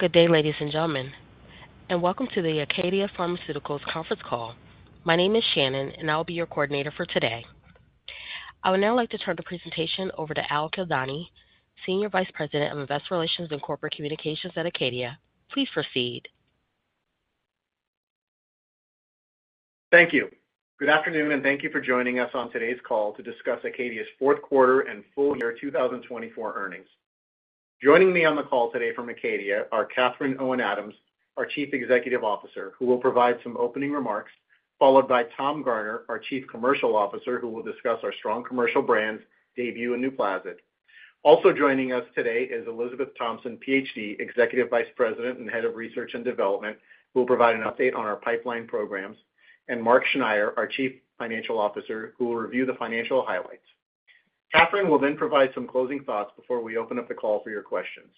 Good day, ladies and gentlemen, and welcome to the Acadia Pharmaceuticals Conference Call. My name is Shannon, and I'll be your coordinator for today. I would now like to turn the presentation over to Al Kildani, Senior Vice President of Investor Relations and Corporate Communications at Acadia. Please proceed. Thank you. Good afternoon, and thank you for joining us on today's call to discuss Acadia's Fourth Quarter and Full Year 2024 Earnings. Joining me on the call today from Acadia are Catherine Owen Adams, our Chief Executive Officer, who will provide some opening remarks, followed by Tom Garner, our Chief Commercial Officer, who will discuss our strong commercial brand's Daybue and Nuplazid. Also joining us today is Elizabeth Thompson, PhD, Executive Vice President and Head of Research and Development, who will provide an update on our pipeline programs, and Mark Schneyer, our Chief Financial Officer, who will review the financial highlights. Catherine will then provide some closing thoughts before we open up the call for your questions.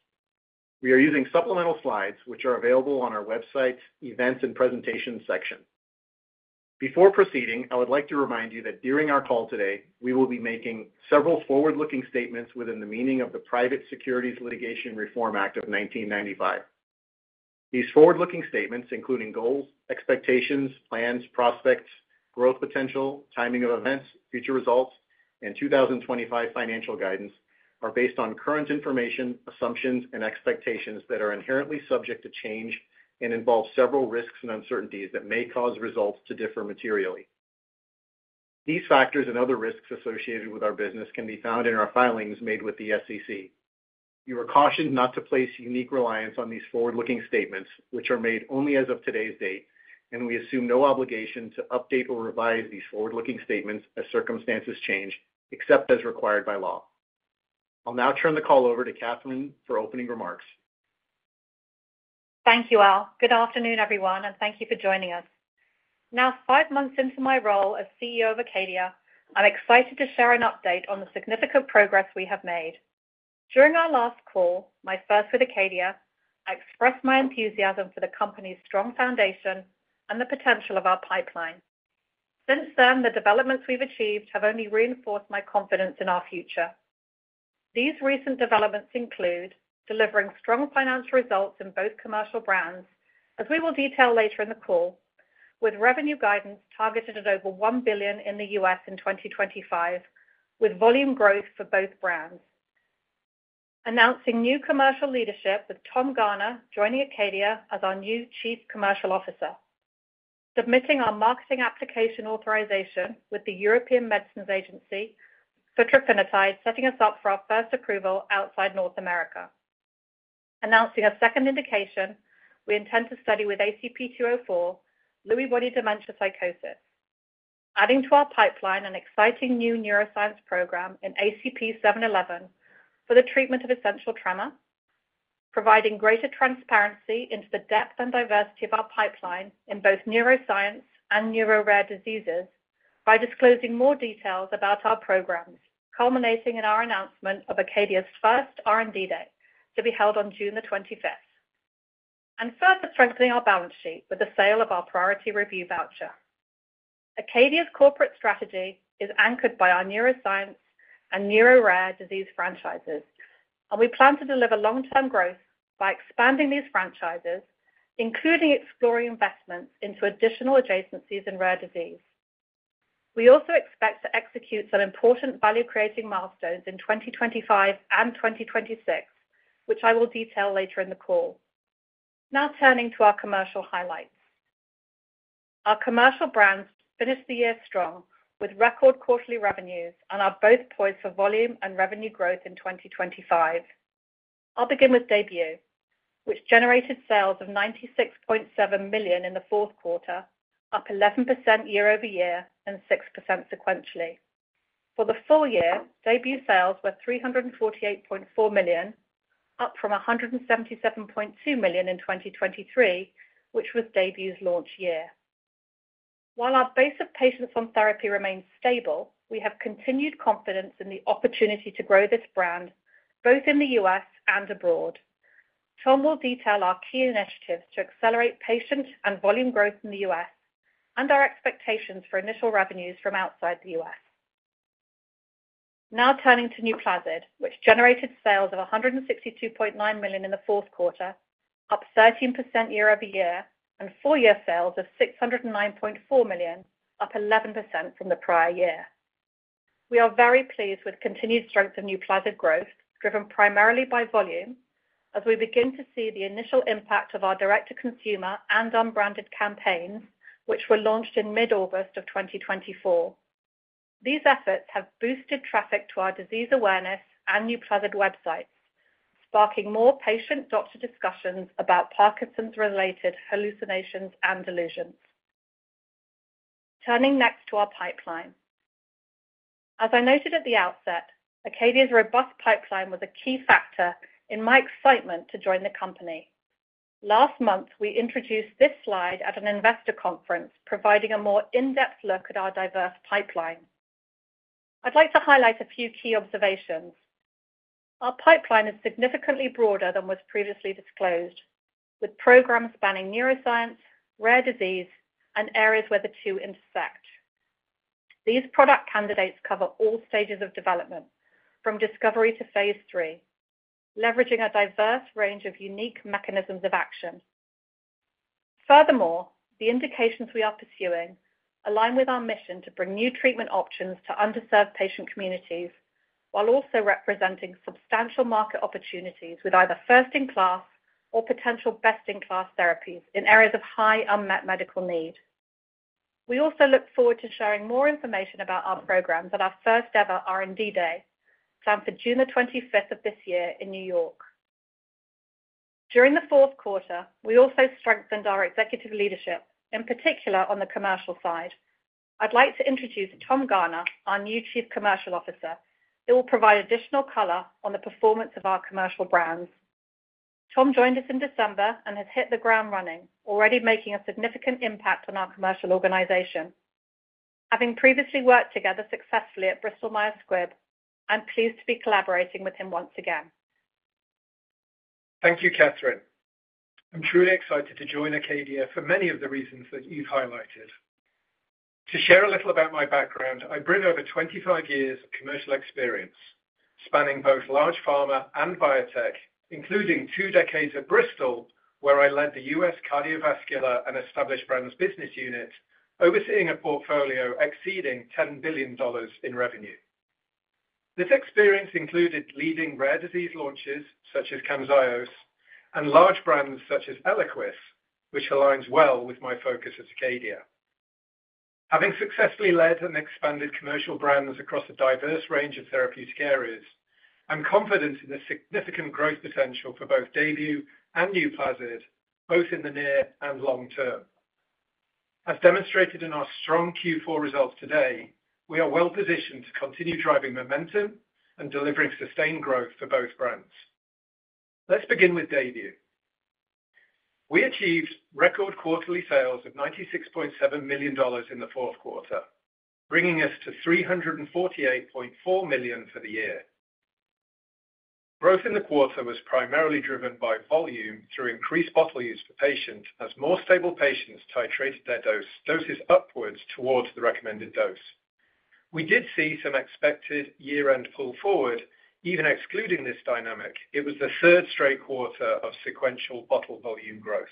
We are using supplemental slides, which are available on our website's Events and Presentations section. Before proceeding, I would like to remind you that during our call today, we will be making several forward-looking statements within the meaning of the Private Securities Litigation Reform Act of 1995. These forward-looking statements, including goals, expectations, plans, prospects, growth potential, timing of events, future results, and 2025 financial guidance, are based on current information, assumptions, and expectations that are inherently subject to change and involve several risks and uncertainties that may cause results to differ materially. These factors and other risks associated with our business can be found in our filings made with the SEC. You are cautioned not to place undue reliance on these forward-looking statements, which are made only as of today's date, and we assume no obligation to update or revise these forward-looking statements as circumstances change, except as required by law. I'll now turn the call over to Catherine for opening remarks. Thank you, Al. Good afternoon, everyone, and thank you for joining us. Now, five months into my role as CEO of Acadia, I'm excited to share an update on the significant progress we have made. During our last call, my first with Acadia, I expressed my enthusiasm for the company's strong foundation and the potential of our pipeline. Since then, the developments we've achieved have only reinforced my confidence in our future. These recent developments include delivering strong financial results in both commercial brands, as we will detail later in the call, with revenue guidance targeted at over $1 billion in the U.S. in 2025, with volume growth for both brands, announcing new commercial leadership with Tom Garner joining Acadia as our new Chief Commercial Officer, submitting our Marketing Application Authorization with the European Medicines Agency for trofinetide, setting us up for our first approval outside North America, announcing a second indication we intend to study with ACP-204, Lewy body dementia psychosis, adding to our pipeline an exciting new neuroscience program in ACP-711 for the treatment of essential tremor, providing greater transparency into the depth and diversity of our pipeline in both neuroscience and neuro-rare diseases by disclosing more details about our programs, culminating in our announcement of Acadia's first R&D day to be held on June the 25th, and further strengthening our balance sheet with the sale of our Priority Review Voucher. Acadia's corporate strategy is anchored by our neuroscience and neuro-rare disease franchises, and we plan to deliver long-term growth by expanding these franchises, including exploring investments into additional adjacencies in rare disease. We also expect to execute some important value-creating milestones in 2025 and 2026, which I will detail later in the call. Now, turning to our commercial highlights. Our commercial brands finished the year strong with record quarterly revenues and are both poised for volume and revenue growth in 2025. I'll begin with Daybue, which generated sales of $96.7 million in the fourth quarter, up 11% year-over-year and 6% sequentially. For the full year, Daybue sales were $348.4 million, up from $177.2 million in 2023, which was Daybue's launch year. While our base of patients on therapy remains stable, we have continued confidence in the opportunity to grow this brand both in the U.S. and abroad. Tom will detail our key initiatives to accelerate patient and volume growth in the U.S. and our expectations for initial revenues from outside the U.S. Now, turning to Nuplazid, which generated sales of $162.9 million in the fourth quarter, up 13% year-over-year, and full-year sales of $609.4 million, up 11% from the prior year. We are very pleased with the continued strength of Nuplazid growth, driven primarily by volume, as we begin to see the initial impact of our direct-to-consumer and unbranded campaigns, which were launched in mid-August of 2024. These efforts have boosted traffic to our disease awareness and Nuplazid websites, sparking more patient-doctor discussions about Parkinson’s-related hallucinations and delusions. Turning next to our pipeline. As I noted at the outset, Acadia's robust pipeline was a key factor in my excitement to join the company. Last month, we introduced this slide at an investor conference, providing a more in-depth look at our diverse pipeline. I'd like to highlight a few key observations. Our pipeline is significantly broader than was previously disclosed, with programs spanning neuroscience, rare disease, and areas where the two intersect. These product candidates cover all stages of development, from discovery to phase III, leveraging a diverse range of unique mechanisms of action. Furthermore, the indications we are pursuing align with our mission to bring new treatment options to underserved patient communities while also representing substantial market opportunities with either first-in-class or potential best-in-class therapies in areas of high unmet medical need. We also look forward to sharing more information about our programs at our first-ever R&D day, planned for June the 25th of this year in New York. During the fourth quarter, we also strengthened our executive leadership, in particular on the commercial side. I'd like to introduce Tom Garner, our new Chief Commercial Officer. He will provide additional color on the performance of our commercial brands. Tom joined us in December and has hit the ground running, already making a significant impact on our commercial organization. Having previously worked together successfully at Bristol Myers Squibb, I'm pleased to be collaborating with him once again. Thank you, Catherine. I'm truly excited to join Acadia for many of the reasons that you've highlighted. To share a little about my background, I bring over 25 years of commercial experience spanning both large pharma and biotech, including two decades at Bristol, where I led the U.S. Cardiovascular and Established Brands Business unit, overseeing a portfolio exceeding $10 billion in revenue. This experience included leading rare disease launches, such as Camzyos, and large brands such as Eliquis, which aligns well with my focus at Acadia. Having successfully led and expanded commercial brands across a diverse range of therapeutic areas, I'm confident in the significant growth potential for both Daybue and Nuplazid, both in the near and long term. As demonstrated in our strong Q4 results today, we are well positioned to continue driving momentum and delivering sustained growth for both brands. Let's begin with Daybue. We achieved record quarterly sales of $96.7 million in the fourth quarter, bringing us to $348.4 million for the year. Growth in the quarter was primarily driven by volume through increased bottle use for patients, as more stable patients titrated their doses upwards towards the recommended dose. We did see some expected year-end pull forward, even excluding this dynamic. It was the third straight quarter of sequential bottle volume growth.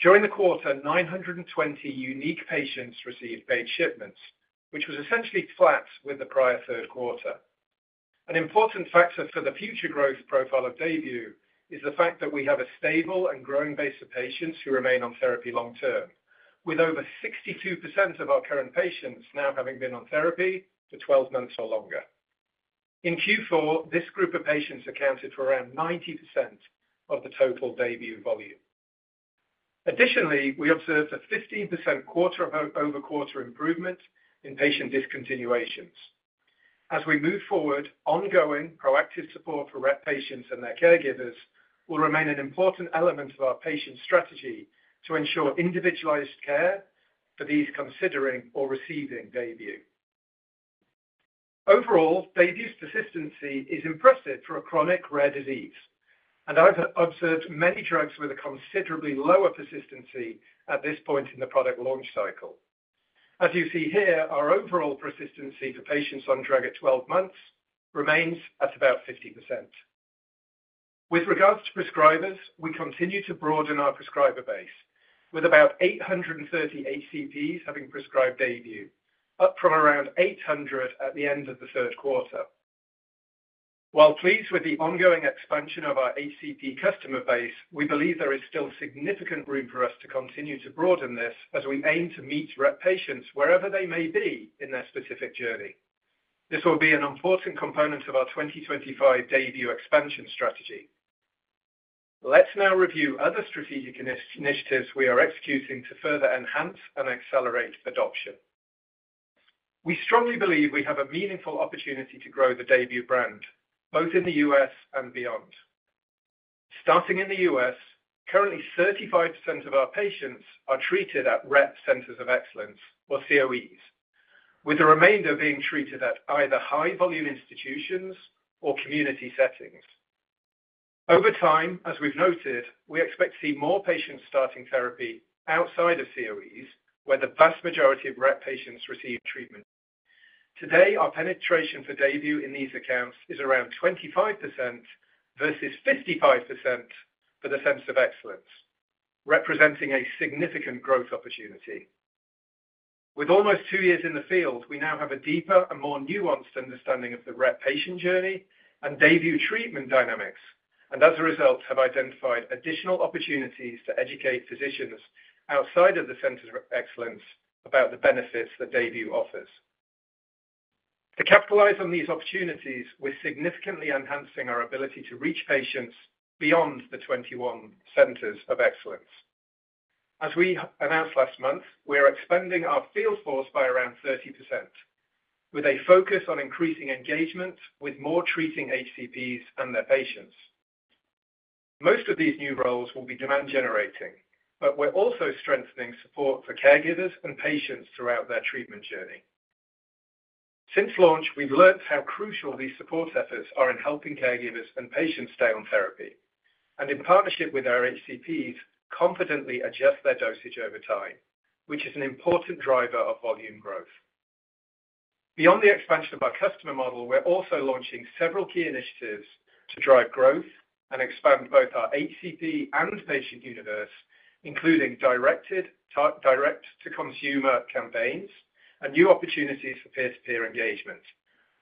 During the quarter, 920 unique patients received paid shipments, which was essentially flat with the prior third quarter. An important factor for the future growth profile of Daybue is the fact that we have a stable and growing base of patients who remain on therapy long term, with over 62% of our current patients now having been on therapy for 12 months or longer. In Q4, this group of patients accounted for around 90% of the total Daybue volume. Additionally, we observed a 15% quarter-over-quarter improvement in patient discontinuations. As we move forward, ongoing proactive support for Rett patients and their caregivers will remain an important element of our patient strategy to ensure individualized care for these considering or receiving Daybue. Overall, Daybue's persistency is impressive for a chronic rare disease, and I've observed many drugs with a considerably lower persistency at this point in the product launch cycle. As you see here, our overall persistency for patients on drug at 12 months remains at about 50%. With regards to prescribers, we continue to broaden our prescriber base, with about 830 HCPs having prescribed Daybue, up from around 800 at the end of the third quarter. While pleased with the ongoing expansion of our HCP customer base, we believe there is still significant room for us to continue to broaden this as we aim to meet rare patients wherever they may be in their specific journey. This will be an important component of our 2025 Daybue expansion strategy. Let's now review other strategic initiatives we are executing to further enhance and accelerate adoption. We strongly believe we have a meaningful opportunity to grow the Daybue brand, both in the U.S. and beyond. Starting in the U.S., currently 35% of our patients are treated at Rett Centers of Excellence, or COEs, with the remainder being treated at either high-volume institutions or community settings. Over time, as we've noted, we expect to see more patients starting therapy outside of COEs, where the vast majority of rare patients receive treatment. Today, our penetration for Daybue in these accounts is around 25% versus 55% for the Centers of Excellence, representing a significant growth opportunity. With almost two years in the field, we now have a deeper and more nuanced understanding of the rare patient journey and Daybue treatment dynamics, and as a result, have identified additional opportunities to educate physicians outside of the Centers of Excellence about the benefits that Daybue offers. To capitalize on these opportunities, we're significantly enhancing our ability to reach patients beyond the 21 Centers of Excellence. As we announced last month, we are expanding our field force by around 30%, with a focus on increasing engagement with more treating HCPs and their patients. Most of these new roles will be demand-generating, but we're also strengthening support for caregivers and patients throughout their treatment journey. Since launch, we've learned how crucial these support efforts are in helping caregivers and patients stay on therapy and, in partnership with our HCPs, confidently adjust their dosage over time, which is an important driver of volume growth. Beyond the expansion of our customer model, we're also launching several key initiatives to drive growth and expand both our HCP and patient universe, including direct-to-consumer campaigns and new opportunities for peer-to-peer engagement,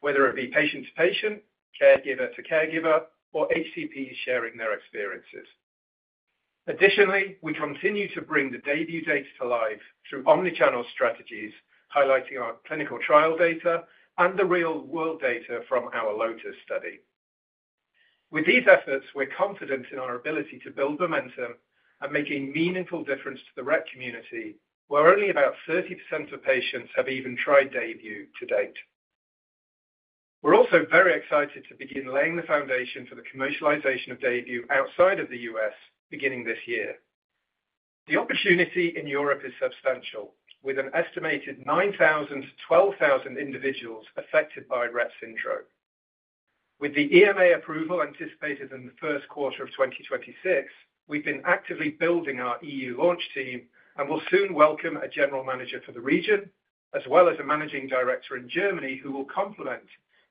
whether it be patient-to-patient, caregiver-to-caregiver, or HCPs sharing their experiences. Additionally, we continue to bring the Daybue data to life through omnichannel strategies, highlighting our clinical trial data and the real-world data from our LOTUS study. With these efforts, we're confident in our ability to build momentum and make a meaningful difference to the Rett community, where only about 30% of patients have even tried Daybue to date. We're also very excited to begin laying the foundation for the commercialization of Daybue outside of the U.S. beginning this year. The opportunity in Europe is substantial, with an estimated 9,000-12,000 individuals affected by Rett syndrome. With the EMA approval anticipated in the first quarter of 2026, we've been actively building our EU launch team and will soon welcome a general manager for the region, as well as a managing director in Germany who will complement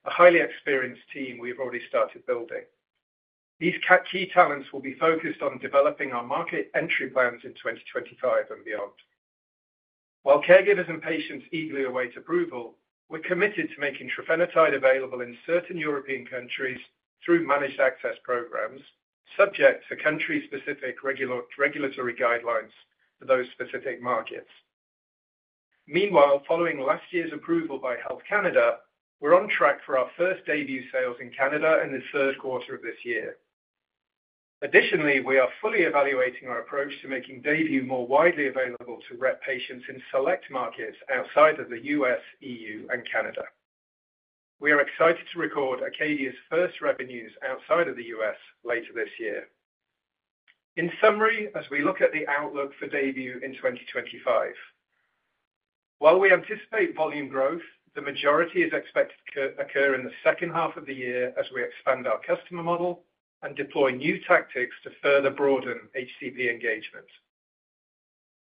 a highly experienced team we've already started building. These key talents will be focused on developing our market entry plans in 2025 and beyond. While caregivers and patients eagerly await approval, we're committed to making trofinetide available in certain European countries through managed access programs, subject to country-specific regulatory guidelines for those specific markets. Meanwhile, following last year's approval by Health Canada, we're on track for our first Daybue sales in Canada in the third quarter of this year. Additionally, we are fully evaluating our approach to making Daybue more widely available to Rett patients in select markets outside of the U.S., EU, and Canada. We are excited to record Acadia's first revenues outside of the U.S. later this year. In summary, as we look at the outlook for Daybue in 2025, while we anticipate volume growth, the majority is expected to occur in the second half of the year as we expand our customer model and deploy new tactics to further broaden HCP engagement.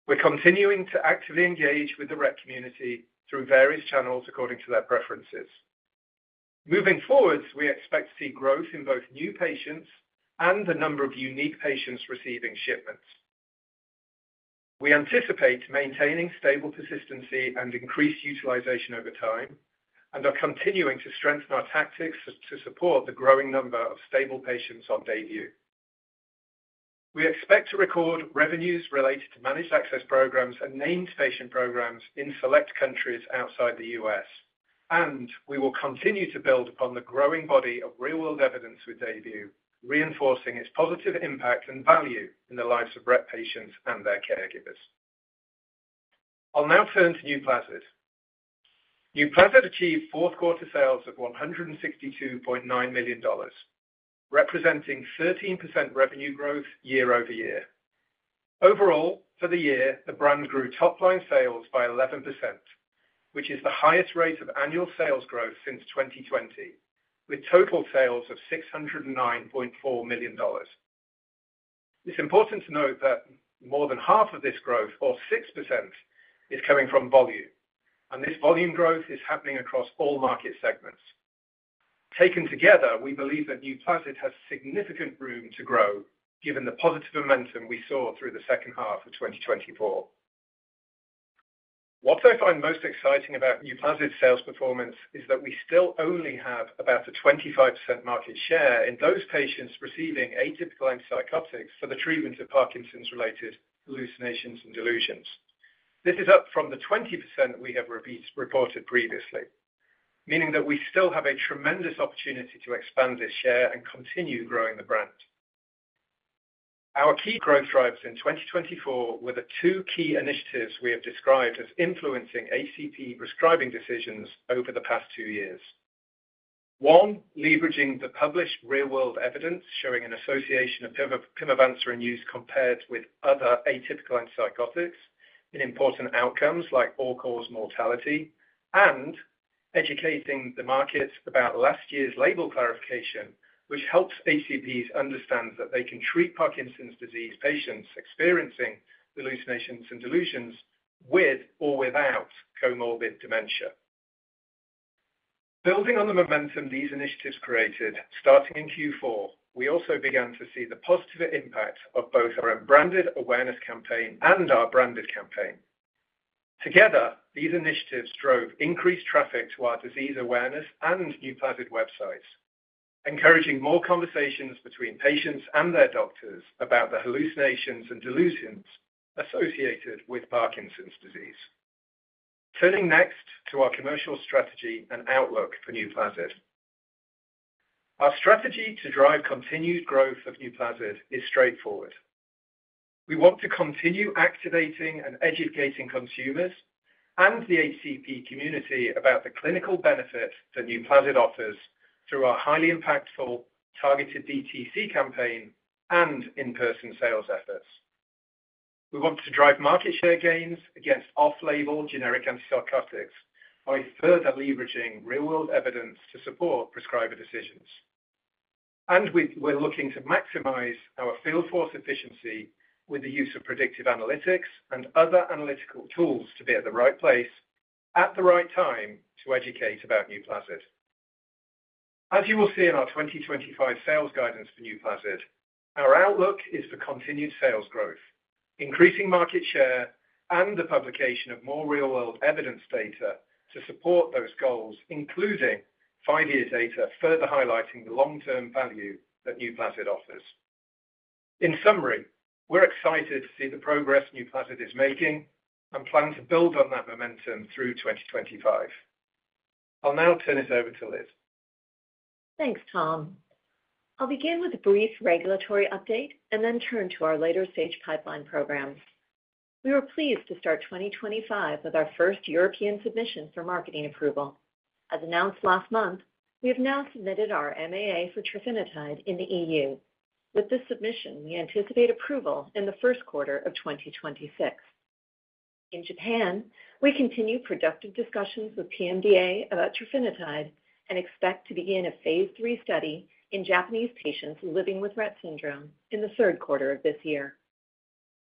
We're continuing to actively engage with the Rett community through various channels according to their preferences. Moving forward, we expect to see growth in both new patients and the number of unique patients receiving shipments. We anticipate maintaining stable persistency and increased utilization over time and are continuing to strengthen our tactics to support the growing number of stable patients on Daybue. We expect to record revenues related to managed access programs and named patient programs in select countries outside the U.S., and we will continue to build upon the growing body of real-world evidence with Daybue, reinforcing its positive impact and value in the lives of Rett patients and their caregivers. I'll now turn to Nuplazid. Nuplazid achieved fourth-quarter sales of $162.9 million, representing 13% revenue growth year-over-year. Overall, for the year, the brand grew top-line sales by 11%, which is the highest rate of annual sales growth since 2020, with total sales of $609.4 million. It's important to note that more than half of this growth, or 6%, is coming from volume, and this volume growth is happening across all market segments. Taken together, we believe that Nuplazid has significant room to grow, given the positive momentum we saw through the second half of 2024. What I find most exciting about Nuplazid's sales performance is that we still only have about a 25% market share in those patients receiving atypical antipsychotics for the treatment of Parkinson's-related hallucinations and delusions. This is up from the 20% we have reported previously, meaning that we still have a tremendous opportunity to expand this share and continue growing the brand. Our key growth drives in 2024 were the two key initiatives we have described as influencing HCP prescribing decisions over the past two years. One, leveraging the published real-world evidence showing an association of pimavanserin use compared with other atypical antipsychotics in important outcomes like all-cause mortality, and educating the market about last year's label clarification, which helps HCPs understand that they can treat Parkinson's disease patients experiencing hallucinations and delusions with or without comorbid dementia. Building on the momentum these initiatives created, starting in Q4, we also began to see the positive impact of both our branded awareness campaign and our branded campaign. Together, these initiatives drove increased traffic to our disease awareness and Nuplazid websites, encouraging more conversations between patients and their doctors about the hallucinations and delusions associated with Parkinson's disease. Turning next to our commercial strategy and outlook for Nuplazid. Our strategy to drive continued growth of Nuplazid is straightforward. We want to continue activating and educating consumers and the ACP community about the clinical benefits that Nuplazid offers through our highly impactful targeted DTC campaign and in-person sales efforts. We want to drive market share gains against off-label generic antipsychotics by further leveraging real-world evidence to support prescriber decisions, and we're looking to maximize our field force efficiency with the use of predictive analytics and other analytical tools to be at the right place at the right time to educate about Nuplazid. As you will see in our 2025 sales guidance for Nuplazid, our outlook is for continued sales growth, increasing market share, and the publication of more real-world evidence data to support those goals, including five-year data further highlighting the long-term value that Nuplazid offers. In summary, we're excited to see the progress Nuplazid is making and plan to build on that momentum through 2025. I'll now turn it over to Liz. Thanks, Tom. I'll begin with a brief regulatory update and then turn to our later-stage pipeline programs. We were pleased to start 2025 with our first European submission for marketing approval. As announced last month, we have now submitted our MAA for trofinetide in the EU. With this submission, we anticipate approval in the first quarter of 2026. In Japan, we continue productive discussions with PMDA about trofinetide and expect to begin a phase III study in Japanese patients living with Rett syndrome in the third quarter of this year.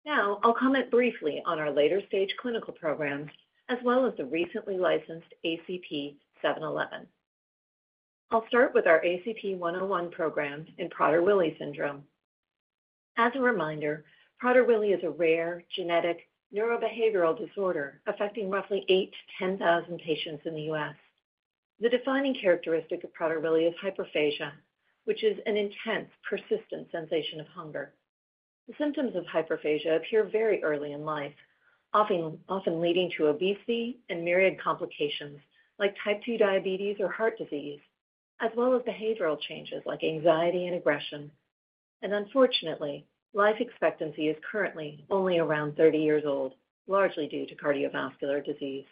Now, I'll comment briefly on our later-stage clinical programs, as well as the recently licensed ACP-711. I'll start with our ACP-101 program in Prader-Willi syndrome. As a reminder, Prader-Willi is a rare genetic neurobehavioral disorder affecting roughly 8,000-10,000 patients in the U.S. The defining characteristic of Prader-Willi is hyperphagia, which is an intense, persistent sensation of hunger. The symptoms of hyperphagia appear very early in life, often leading to obesity and myriad complications like type 2 diabetes or heart disease, as well as behavioral changes like anxiety and aggression. And unfortunately, life expectancy is currently only around 30 years old, largely due to cardiovascular disease.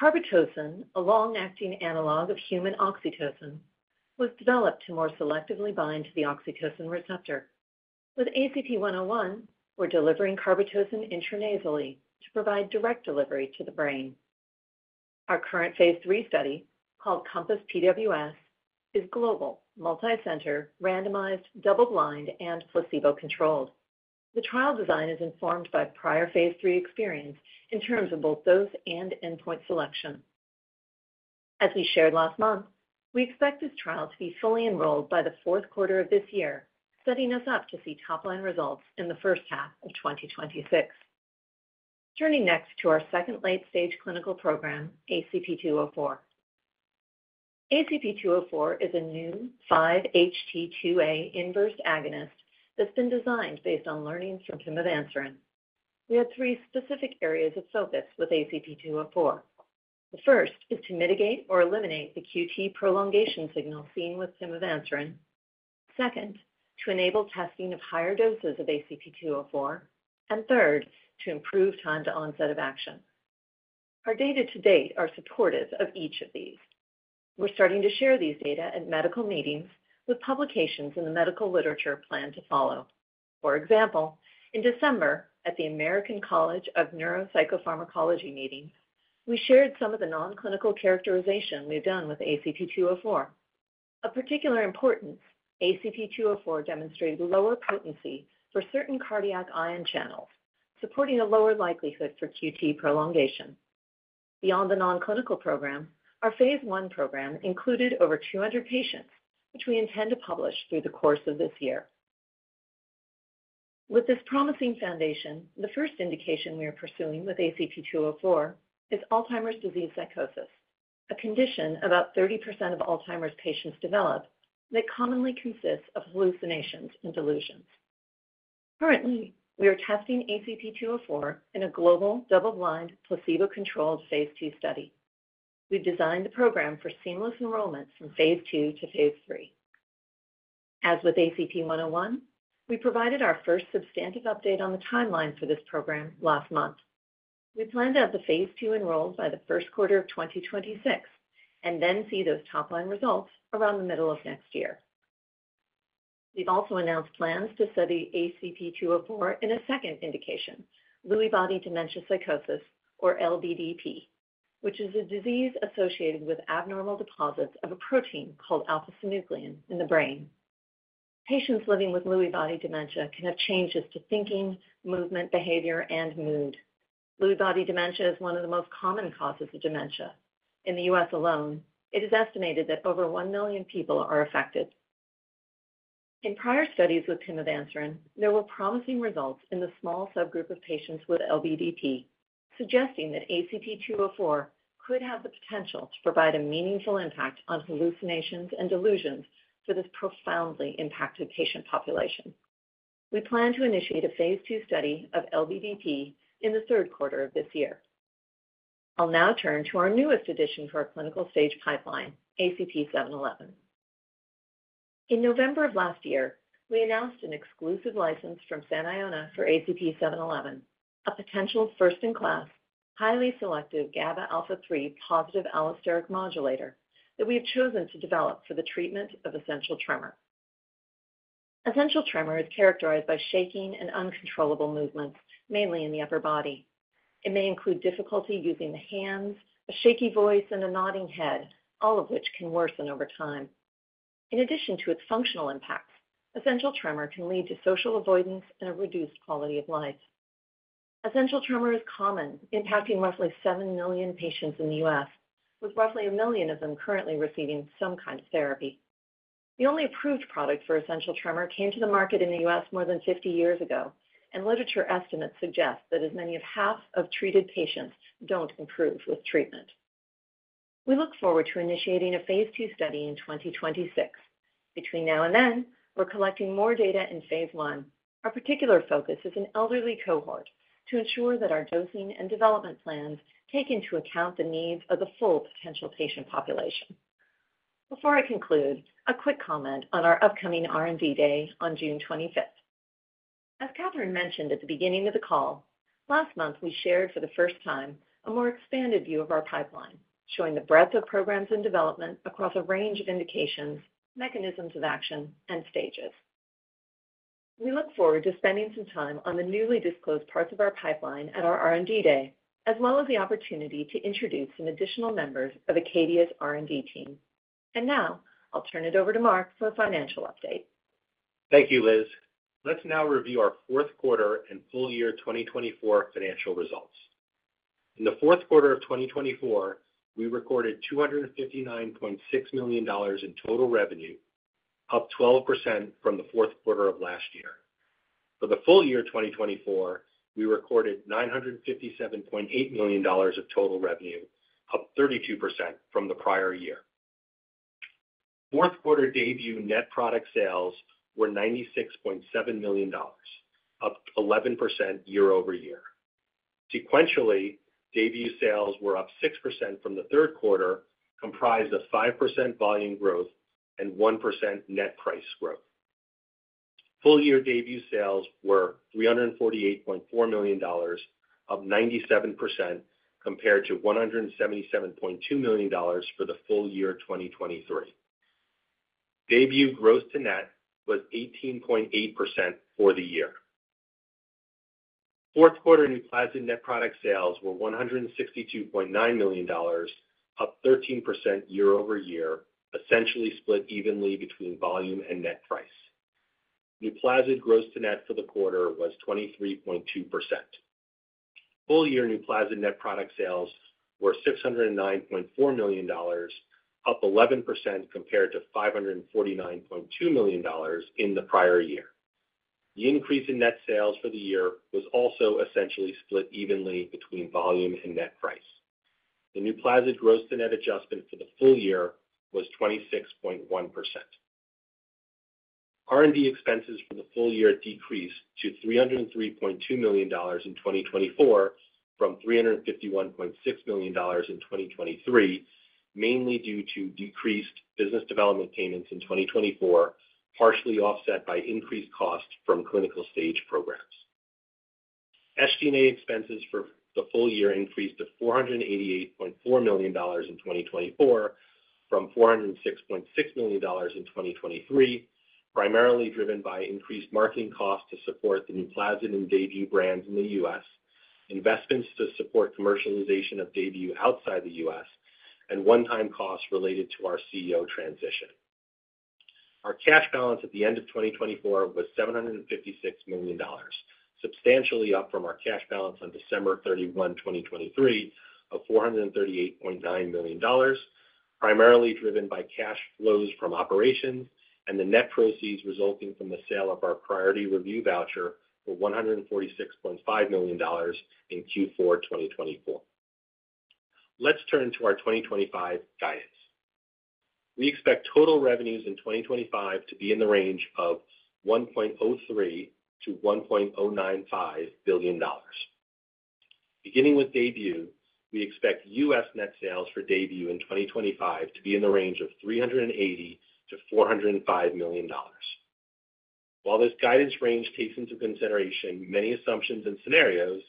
Carbetocin, a long-acting analog of human oxytocin, was developed to more selectively bind to the oxytocin receptor. With ACP-101, we're delivering carbetocin intranasally to provide direct delivery to the brain. Our current phase III study, called COMPASS PWS, is global, multi-center, randomized, double-blind, and placebo-controlled. The trial design is informed by prior phase III experience in terms of both dose and endpoint selection. As we shared last month, we expect this trial to be fully enrolled by the fourth quarter of this year, setting us up to see top-line results in the first half of 2026. Turning next to our second late-stage clinical program, ACP-204. ACP-204 is a new 5-HT2A inverse agonist that's been designed based on learnings from Pimavanserin. We had three specific areas of focus with ACP-204. The first is to mitigate or eliminate the QT prolongation signal seen with pimavanserin. Second, to enable testing of higher doses of ACP-204. And third, to improve time to onset of action. Our data to date are supportive of each of these. We're starting to share these data at medical meetings with publications in the medical literature planned to follow. For example, in December, at the American College of Neuropsychopharmacology meetings, we shared some of the non-clinical characterization we've done with ACP-204. Of particular importance, ACP-204 demonstrated lower potency for certain cardiac ion channels, supporting a lower likelihood for QT prolongation. Beyond the non-clinical program, our phase I program included over 200 patients, which we intend to publish through the course of this year. With this promising foundation, the first indication we are pursuing with ACP-204 is Alzheimer's disease psychosis, a condition about 30% of Alzheimer's patients develop that commonly consists of hallucinations and delusions. Currently, we are testing ACP-204 in a global, double-blind, placebo-controlled phase II study. We've designed the program for seamless enrollment from phase II to phase three. As with ACP-101, we provided our first substantive update on the timeline for this program last month. We plan to have the phase II enrolled by the first quarter of 2026 and then see those top-line results around the middle of next year. We've also announced plans to study ACP-204 in a second indication, Lewy body dementia psychosis, or LBDP, which is a disease associated with abnormal deposits of a protein called alpha-synuclein in the brain. Patients living with Lewy body dementia can have changes to thinking, movement, behavior, and mood. Lewy body dementia is one of the most common causes of dementia. In the U.S. alone, it is estimated that over one million people are affected. In prior studies with pimavanserin, there were promising results in the small subgroup of patients with LBDP, suggesting that ACP-204 could have the potential to provide a meaningful impact on hallucinations and delusions for this profoundly impacted patient population. We plan to initiate a phase II study of LBDP in the third quarter of this year. I'll now turn to our newest addition to our clinical stage pipeline, ACP-711. In November of last year, we announced an exclusive license from Saniona for ACP-711, a potential first-in-class, highly selective GABA-A alpha-3 positive allosteric modulator that we have chosen to develop for the treatment of essential tremor. Essential tremor is characterized by shaking and uncontrollable movements, mainly in the upper body. It may include difficulty using the hands, a shaky voice, and a nodding head, all of which can worsen over time. In addition to its functional impacts, essential tremor can lead to social avoidance and a reduced quality of life. Essential tremor is common, impacting roughly seven million patients in the U.S., with roughly one million of them currently receiving some kind of therapy. The only approved product for essential tremor came to the market in the U.S. more than 50 years ago, and literature estimates suggest that as many as half of treated patients don't improve with treatment. We look forward to initiating a phase II study in 2026. Between now and then, we're collecting more data in phase I. Our particular focus is an elderly cohort to ensure that our dosing and development plans take into account the needs of the full potential patient population. Before I conclude, a quick comment on our upcoming R&D day on June 25th. As Catherine mentioned at the beginning of the call, last month we shared for the first time a more expanded view of our pipeline, showing the breadth of programs in development across a range of indications, mechanisms of action, and stages. We look forward to spending some time on the newly disclosed parts of our pipeline at our R&D day, as well as the opportunity to introduce some additional members of Acadia's R&D team, and now, I'll turn it over to Mark for a financial update. Thank you, Liz. Let's now review our fourth quarter and full year 2024 financial results. In the fourth quarter of 2024, we recorded $259.6 million in total revenue, up 12% from the fourth quarter of last year. For the full year 2024, we recorded $957.8 million of total revenue, up 32% from the prior year. Fourth quarter Daybue net product sales were $96.7 million, up 11% year-over-year. Sequentially, Daybue sales were up 6% from the third quarter, comprised of 5% volume growth and 1% net price growth. Full year Daybue sales were $348.4 million, up 97% compared to $177.2 million for the full year 2023. Daybue gross-to-net was 18.8% for the year. Fourth quarter Nuplazid net product sales were $162.9 million, up 13% year-over-year, essentially split evenly between volume and net price. Nuplazid gross-to-net for the quarter was 23.2%. Full year Nuplazid net product sales were $609.4 million, up 11% compared to $549.2 million in the prior year. The increase in net sales for the year was also essentially split evenly between volume and net price. The Nuplazid gross-to-net adjustment for the full year was 26.1%. R&D expenses for the full year decreased to $303.2 million in 2024 from $351.6 million in 2023, mainly due to decreased business development payments in 2024, partially offset by increased costs from clinical stage programs. SG&A expenses for the full year increased to $488.4 million in 2024 from $406.6 million in 2023, primarily driven by increased marketing costs to support the new Nuplazid and Daybue brands in the U.S., investments to support commercialization of Daybue outside the U.S., and one-time costs related to our CEO transition. Our cash balance at the end of 2024 was $756 million, substantially up from our cash balance on December 31, 2023, of $438.9 million, primarily driven by cash flows from operations and the net proceeds resulting from the sale of our priority review voucher for $146.5 million in Q4 2024. Let's turn to our 2025 guidance. We expect total revenues in 2025 to be in the range of $1.03-$1.095 billion. Beginning with Daybue, we expect U.S. net sales for Daybue in 2025 to be in the range of $380-$405 million. While this guidance range takes into consideration many assumptions and scenarios,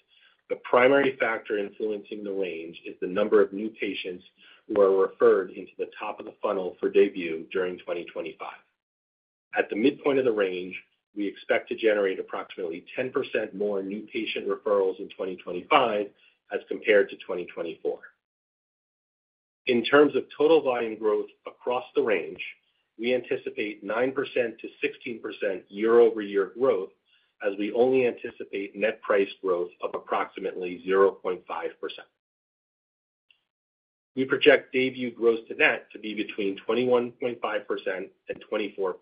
the primary factor influencing the range is the number of new patients who are referred into the top of the funnel for Daybue during 2025. At the midpoint of the range, we expect to generate approximately 10% more new patient referrals in 2025 as compared to 2024. In terms of total volume growth across the range, we anticipate 9%-16% year-over-year growth, as we only anticipate net price growth of approximately 0.5%. We project Daybue gross-to-net to be between 21.5% and 24.5%.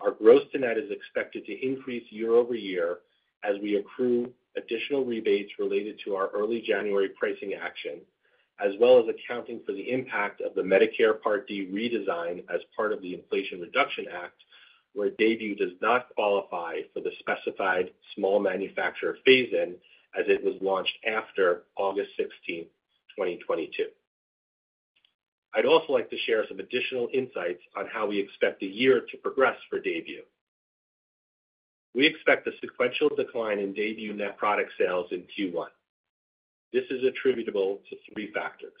Our gross-to-net is expected to increase year-over-year as we accrue additional rebates related to our early January pricing action, as well as accounting for the impact of the Medicare Part D redesign as part of the Inflation Reduction Act, where Daybue does not qualify for the specified small manufacturer phase-in as it was launched after August 16, 2022. I'd also like to share some additional insights on how we expect the year to progress for Daybue. We expect a sequential decline in Daybue net product sales in Q1. This is attributable to three factors.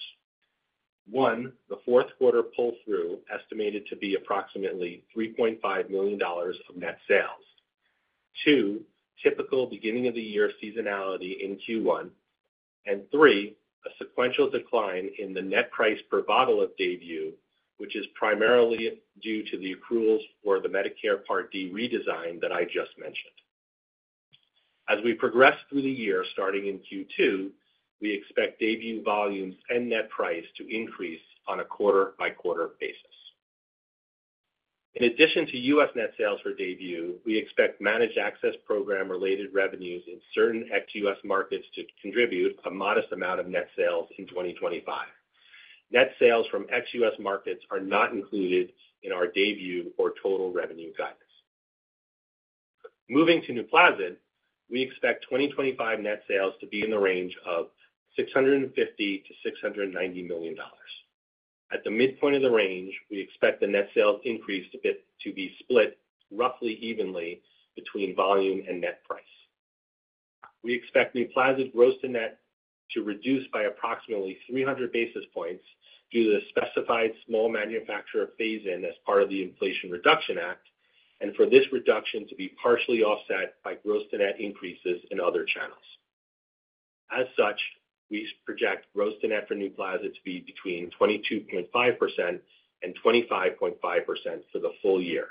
One, the fourth quarter pull-through estimated to be approximately $3.5 million of net sales. Two, typical beginning of the year seasonality in Q1. And three, a sequential decline in the net price per bottle of Daybue, which is primarily due to the accruals for the Medicare Part D redesign that I just mentioned. As we progress through the year starting in Q2, we expect Daybue volumes and net price to increase on a quarter-by-quarter basis. In addition to U.S. net sales for Daybue, we expect managed access program-related revenues in certain ex-U.S. markets to contribute a modest amount of net sales in 2025. Net sales from ex-U.S. markets are not included in our Daybue or total revenue guidance. Moving to Nuplazid, we expect 2025 net sales to be in the range of $650-$690 million. At the midpoint of the range, we expect the net sales increase to be split roughly evenly between volume and net price. We expect Nuplazid gross to net to reduce by approximately 300 basis points due to the specified small manufacturer phase-in as part of the Inflation Reduction Act, and for this reduction to be partially offset by gross to net increases in other channels. As such, we project gross to net for Nuplazid to be between 22.5% and 25.5% for the full year.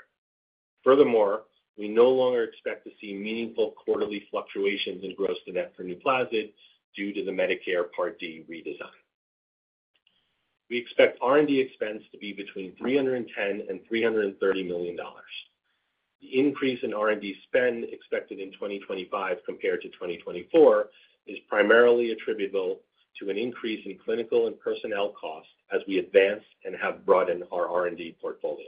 Furthermore, we no longer expect to see meaningful quarterly fluctuations in gross to net for Nuplazid due to the Medicare Part D redesign. We expect R&D expense to be between $310 and $330 million. The increase in R&D spend expected in 2025 compared to 2024 is primarily attributable to an increase in clinical and personnel costs as we advance and have broadened our R&D portfolio.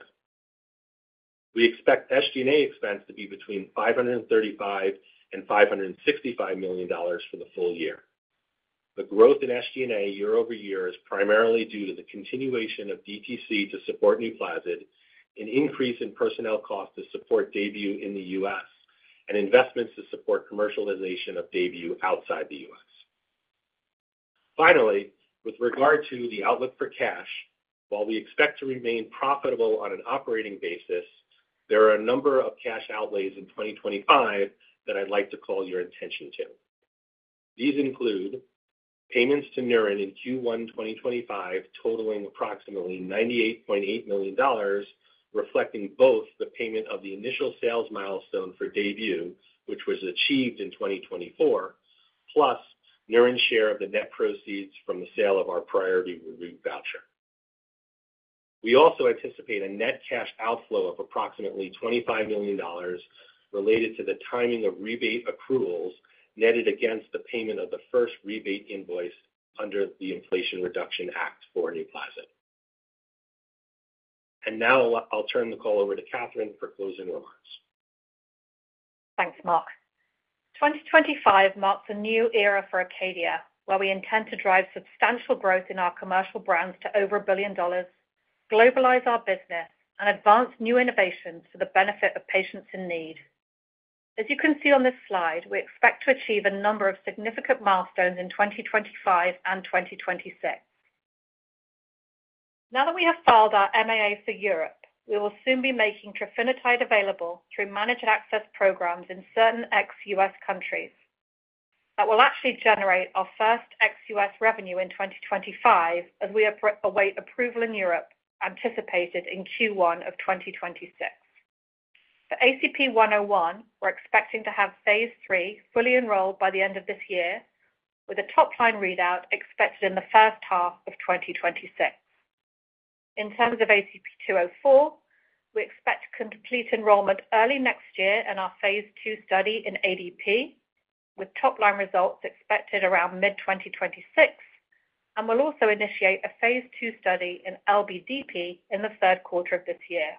We expect SG&A expense to be between $535 and $565 million for the full year. The growth in SG&A year-over-year is primarily due to the continuation of DTC to support Nuplazid, an increase in personnel costs to support Daybue in the U.S., and investments to support commercialization of Daybue outside the U.S. Finally, with regard to the outlook for cash, while we expect to remain profitable on an operating basis, there are a number of cash outlays in 2025 that I'd like to call your attention to. These include payments to Neuren in Q1 2025 totaling approximately $98.8 million, reflecting both the payment of the initial sales milestone for Daybue, which was achieved in 2024, plus Neuren's share of the net proceeds from the sale of our priority review voucher. We also anticipate a net cash outflow of approximately $25 million related to the timing of rebate accruals netted against the payment of the first rebate invoice under the Inflation Reduction Act for Nuplazid. Now I'll turn the call over to Catherine for closing remarks. Thanks, Mark. 2025 marks a new era for Acadia, where we intend to drive substantial growth in our commercial brands to over $1 billion, globalize our business, and advance new innovations for the benefit of patients in need. As you can see on this slide, we expect to achieve a number of significant milestones in 2025 and 2026. Now that we have filed our MAA for Europe, we will soon be making trofinetide available through managed access programs in certain ex-US countries. That will actually generate our first ex-US revenue in 2025 as we await approval in Europe, anticipated in Q1 of 2026. For ACP-101, we're expecting to have phase three fully enrolled by the end of this year, with a top-line readout expected in the first half of 2026. In terms of ACP-204, we expect complete enrollment early next year in our phase II study in ADP, with top-line results expected around mid-2026, and we'll also initiate a phase II study in LBDP in the third quarter of this year.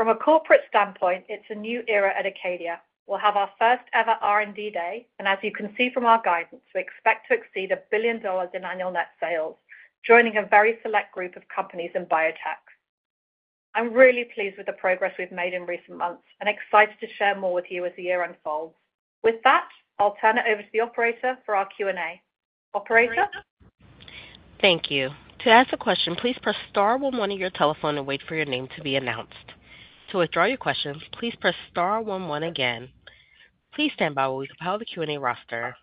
From a corporate standpoint, it's a new era at Acadia. We'll have our first ever R&D day, and as you can see from our guidance, we expect to exceed $1 billion in annual net sales, joining a very select group of companies in biotech. I'm really pleased with the progress we've made in recent months and excited to share more with you as the year unfolds. With that, I'll turn it over to the operator for our Q&A. Operator? Thank you. To ask a question, please press star one one on your telephone and wait for your name to be announced. To withdraw your questions, please press star one one again. Please stand by while we compile the Q&A roster.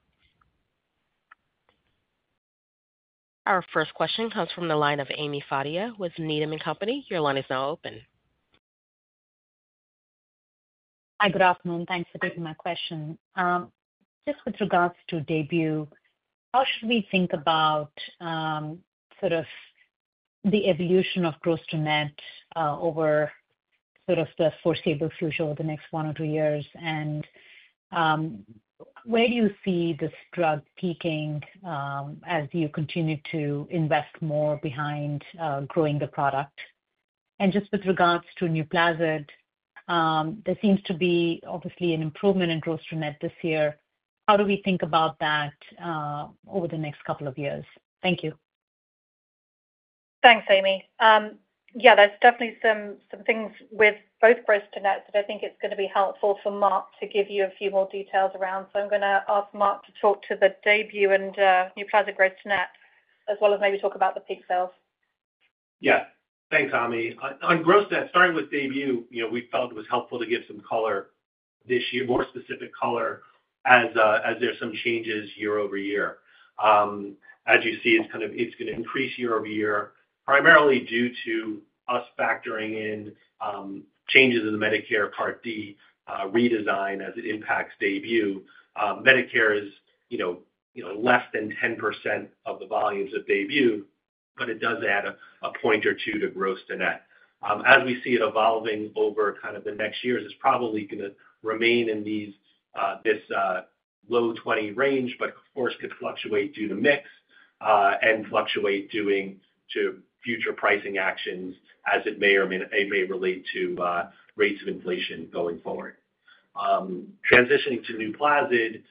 Our first question comes from the line of Ami Fadia with Needham & Company. Your line is now open. Hi, good afternoon. Thanks for taking my question. Just with regards to Daybue, how should we think about sort of the evolution of gross to net over sort of the foreseeable future over the next one or two years? And where do you see this drug peaking as you continue to invest more behind growing the product? Just with regards to Nuplazid, there seems to be obviously an improvement in gross to net this year. How do we think about that over the next couple of years? Thank you. Thanks, Amy. Yeah, there's definitely some things with both gross to net that I think it's going to be helpful for Mark to give you a few more details around. So I'm going to ask Mark to talk to the Daybue and Nuplazid gross to net, as well as maybe talk about the peak sales. Yeah. Thanks, Amy. On gross to net, starting with Daybue, we felt it was helpful to give some color this year, more specific color, as there's some changes year-over-year. As you see, it's going to increase year-over-year, primarily due to us factoring in changes in the Medicare Part D redesign as it impacts Daybue. Medicare is less than 10% of the volumes of Daybue, but it does add a point or two to gross-to-net. As we see it evolving over kind of the next years, it's probably going to remain in this low 20 range, but of course could fluctuate due to mix and fluctuate due to future pricing actions as it may relate to rates of inflation going forward. Transitioning to Nuplazid,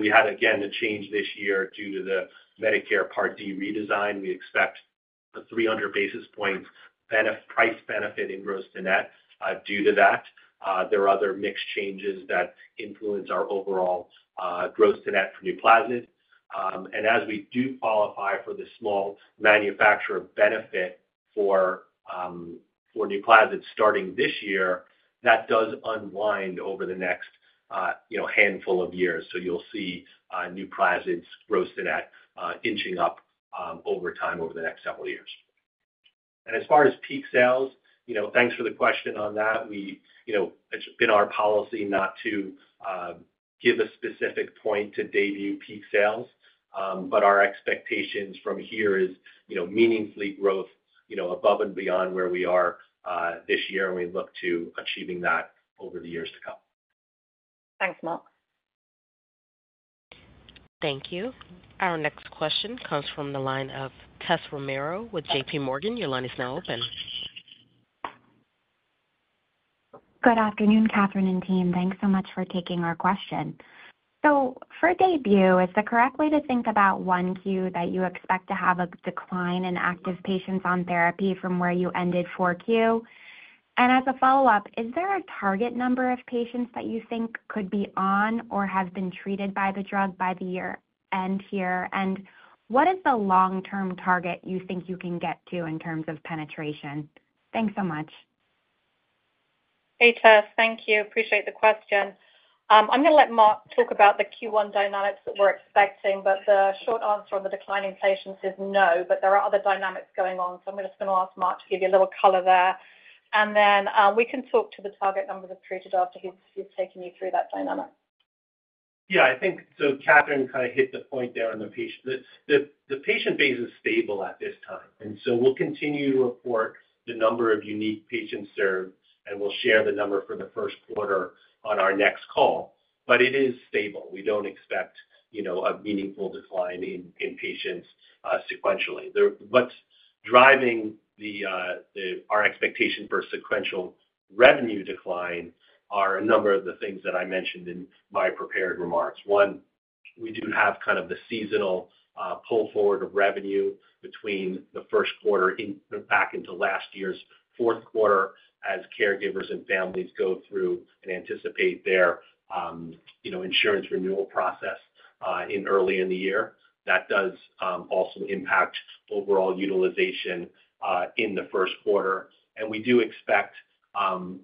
we had, again, a change this year due to the Medicare Part D redesign. We expect a 300 basis point price benefit in gross-to-net due to that. There are other mixed changes that influence our overall gross-to-net for Nuplazid. And as we do qualify for the small manufacturer benefit for Nuplazid starting this year, that does unwind over the next handful of years. So you'll see Nuplazid's gross-to-net inching up over time over the next several years. And as far as peak sales, thanks for the question on that. It's been our policy not to give a specific point estimate for Daybue peak sales, but our expectations from here is meaningful growth above and beyond where we are this year, and we look to achieving that over the years to come. Thanks, Mark. Thank you. Our next question comes from the line of Tessa Romero with J.P. Morgan. Your line is now open. Good afternoon, Catherine and team. Thanks so much for taking our question. So for Daybue, is the correct way to think about 1Q that you expect to have a decline in active patients on therapy from where you ended 4Q? And as a follow-up, is there a target number of patients that you think could be on or have been treated by the drug by the year end here? And what is the long-term target you think you can get to in terms of penetration? Thanks so much. Hey, Tess. Thank you. Appreciate the question. I'm going to let Mark talk about the Q1 dynamics that we're expecting, but the short answer on the declining patients is no, but there are other dynamics going on. So I'm just going to ask Mark to give you a little color there. And then we can talk to the target number of treated after he's taken you through that dynamic. Yeah, I think so, Catherine kind of hit the point there on the patient. The patient base is stable at this time. We'll continue to report the number of unique patients served, and we'll share the number for the first quarter on our next call. It is stable. We don't expect a meaningful decline in patients sequentially. What's driving our expectation for sequential revenue decline are a number of the things that I mentioned in my prepared remarks. One, we do have kind of the seasonal pull-forward of revenue between the first quarter back into last year's fourth quarter as caregivers and families go through and anticipate their insurance renewal process early in the year. That does also impact overall utilization in the first quarter. We do expect,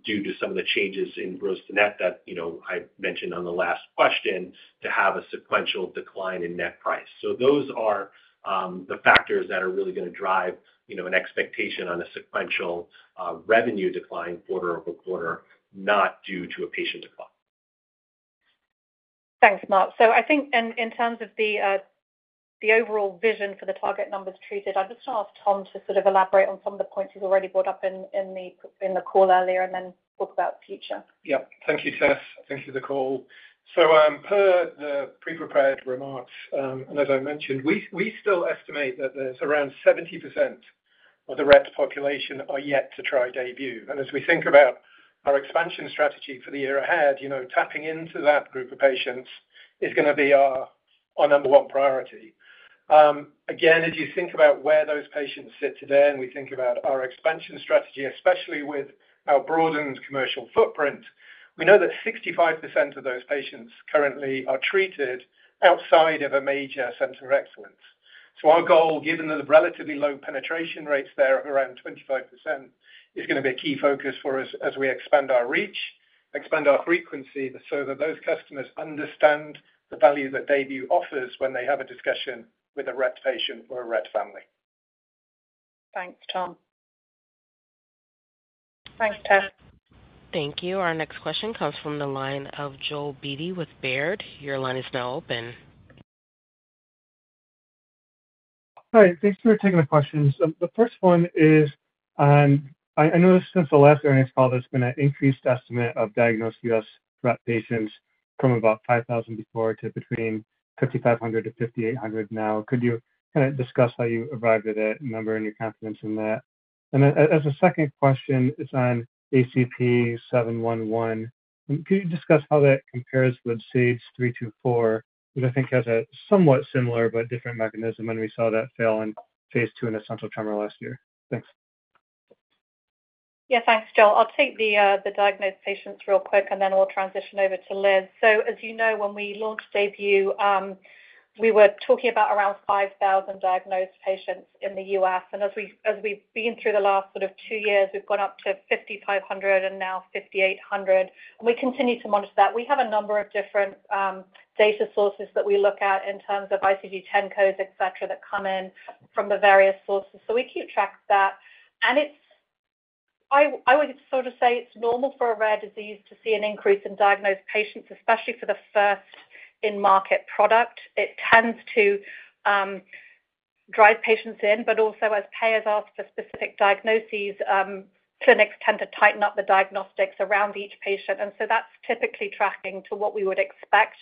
due to some of the changes in gross-to-net that I mentioned on the last question, to have a sequential decline in net price. So those are the factors that are really going to drive an expectation on a sequential revenue decline quarter over quarter, not due to a patient decline. Thanks, Mark. So I think in terms of the overall vision for the target numbers treated, I'm just going to ask Tom to sort of elaborate on some of the points he's already brought up in the call earlier and then talk about the future. Yep. Thank you, Tess. Thank you for the call. So per the pre-prepared remarks, and as I mentioned, we still estimate that there's around 70% of the Rett's population yet to try Daybue. And as we think about our expansion strategy for the year ahead, tapping into that group of patients is going to be our number one priority. Again, as you think about where those patients sit today and we think about our expansion strategy, especially with our broadened commercial footprint, we know that 65% of those patients currently are treated outside of a major center of excellence. So our goal, given the relatively low penetration rates there of around 25%, is going to be a key focus for us as we expand our reach, expand our frequency so that those customers understand the value that Daybue offers when they have a discussion with a Rett patient or a Rett family. Thanks, Tom. Thanks, Tess. Thank you. Our next question comes from the line of Joel Beatty with Baird. Your line is now open. Hi. Thanks for taking the questions. The first one is, I noticed since the last earnings call, there's been an increased estimate of diagnosed U.S. Rett patients from about 5,000 before to between 5,500-5,800 now. Could you kind of discuss how you arrived at that number and your confidence in that? And then as a second question, it's on ACP-711. Could you discuss how that compares with SAGE-324, which I think has a somewhat similar but different mechanism when we saw that fail in phase II in essential tremor last year? Thanks. Yeah, thanks, Joel. I'll take the diagnosed patients real quick, and then we'll transition over to Liz. So as you know, when we launched Daybue, we were talking about around 5,000 diagnosed patients in the U.S. And as we've been through the last sort of two years, we've gone up to 5,500 and now 5,800. We continue to monitor that. We have a number of different data sources that we look at in terms of ICD-10 codes, etc., that come in from the various sources. We keep track of that. I would sort of say it's normal for a rare disease to see an increase in diagnosed patients, especially for the first-in-market product. It tends to drive patients in, but also as payers ask for specific diagnoses, clinics tend to tighten up the diagnostics around each patient. That's typically tracking to what we would expect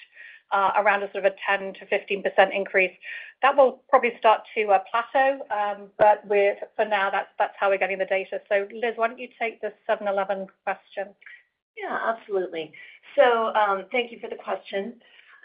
around a sort of a 10%-15% increase. That will probably start to plateau, but for now, that's how we're getting the data. Liz, why don't you take the 711 question? Yeah, absolutely. Thank you for the question.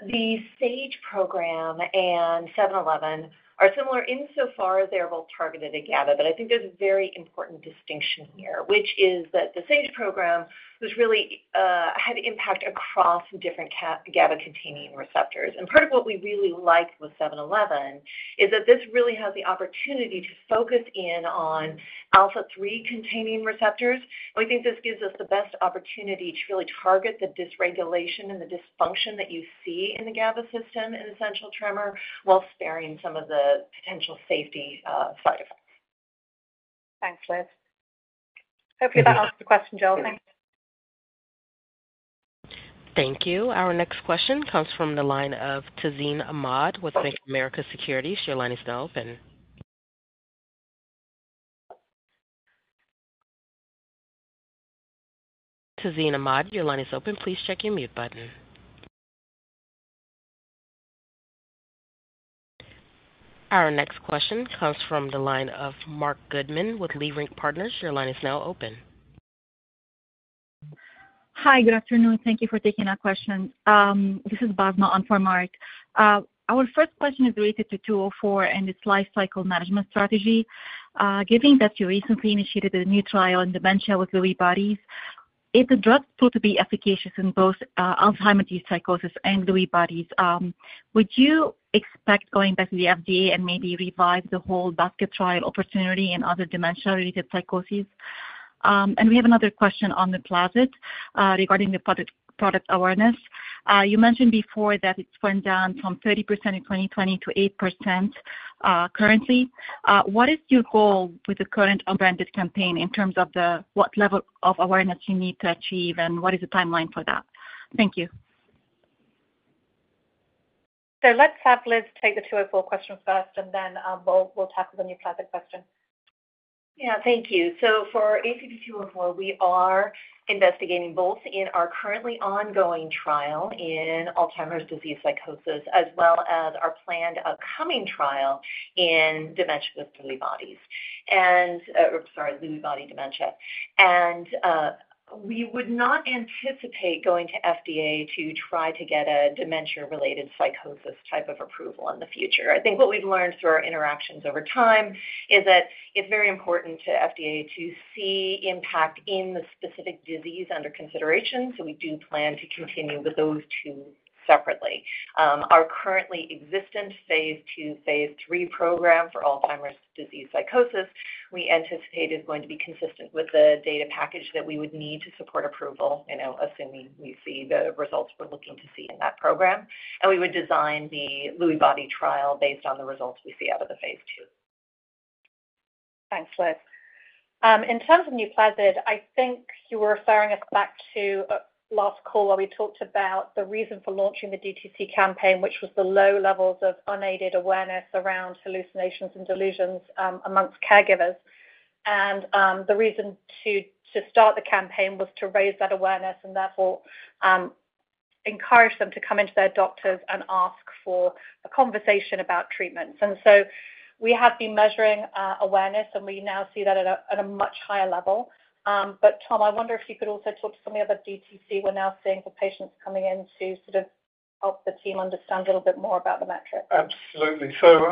The SAGE program and 711 are similar insofar as they're both targeted at GABA, but I think there's a very important distinction here, which is that the SAGE program has really had impact across different GABA-containing receptors. And part of what we really like with 711 is that this really has the opportunity to focus in on alpha-3-containing receptors. And we think this gives us the best opportunity to really target the dysregulation and the dysfunction that you see in the GABA system in essential tremor while sparing some of the potential safety side effects. Thanks, Liz. Hopefully, that answered the question, Joel. Thank you. Thank you. Our next question comes from the line of Tazeen Ahmad with Bank of America Securities. Your line is now open. Tazeen Ahmad, your line is open. Please check your mute button. Our next question comes from the line of Mark Goodman with Leerink Partners. Your line is now open. Hi, good afternoon. Thank you for taking our questions. This is Basma on for Mark. Our first question is related to 204 and its lifecycle management strategy. Given that you recently initiated a new trial in dementia with Lewy bodies, if the drugs prove to be efficacious in both Alzheimer's disease psychosis and Lewy bodies, would you expect going back to the FDA and maybe revive the whole basket trial opportunity in other dementia-related psychoses? And we have another question on the Nuplazid regarding the product awareness. You mentioned before that it's went down from 30% in 2020 to 8% currently. What is your goal with the current unbranded campaign in terms of what level of awareness you need to achieve, and what is the timeline for that? Thank you. So let's have Liz take the 204 question first, and then we'll tackle the Nuplazid question. Yeah, thank you. So for ACP-204, we are investigating both in our currently ongoing trial in Alzheimer's disease psychosis as well as our planned upcoming trial in dementia with Lewy bodies. And, sorry, Lewy body dementia. And we would not anticipate going to FDA to try to get a dementia-related psychosis type of approval in the future. I think what we've learned through our interactions over time is that it's very important to FDA to see impact in the specific disease under consideration. So we do plan to continue with those two separately. Our currently existent phase II, phase three program for Alzheimer's disease psychosis, we anticipate is going to be consistent with the data package that we would need to support approval, assuming we see the results we're looking to see in that program. We would design the Lewy body trial based on the results we see out of the phase II. Thanks, Liz. In terms of Nuplazid, I think you were referring us back to last call where we talked about the reason for launching the DTC campaign, which was the low levels of unaided awareness around hallucinations and delusions among caregivers. The reason to start the campaign was to raise that awareness and therefore encourage them to come in to their doctors and ask for a conversation about treatments. So we have been measuring awareness, and we now see that at a much higher level. But Tom, I wonder if you could also talk to some of the other DTC we're now seeing for patients coming in to sort of help the team understand a little bit more about the metrics? Absolutely. So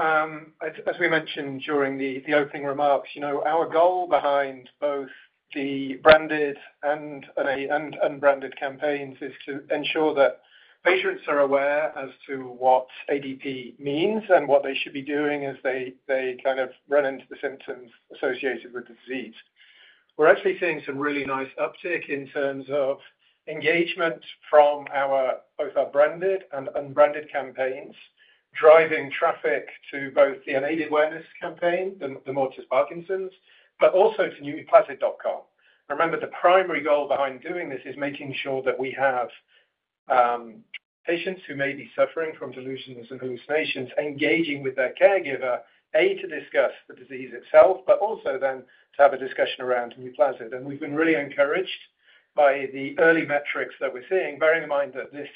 as we mentioned during the opening remarks, our goal behind both the branded and unbranded campaigns is to ensure that patients are aware as to what PDP means and what they should be doing as they kind of run into the symptoms associated with the disease. We're actually seeing some really nice uptick in terms of engagement from both our branded and unbranded campaigns, driving traffic to both the unaided awareness campaign, the more for Parkinson's, but also to nuplazid.com. Remember, the primary goal behind doing this is making sure that we have patients who may be suffering from delusions and hallucinations engaging with their caregiver to discuss the disease itself, but also then to have a discussion around Nuplazid. And we've been really encouraged by the early metrics that we're seeing, bearing in mind that this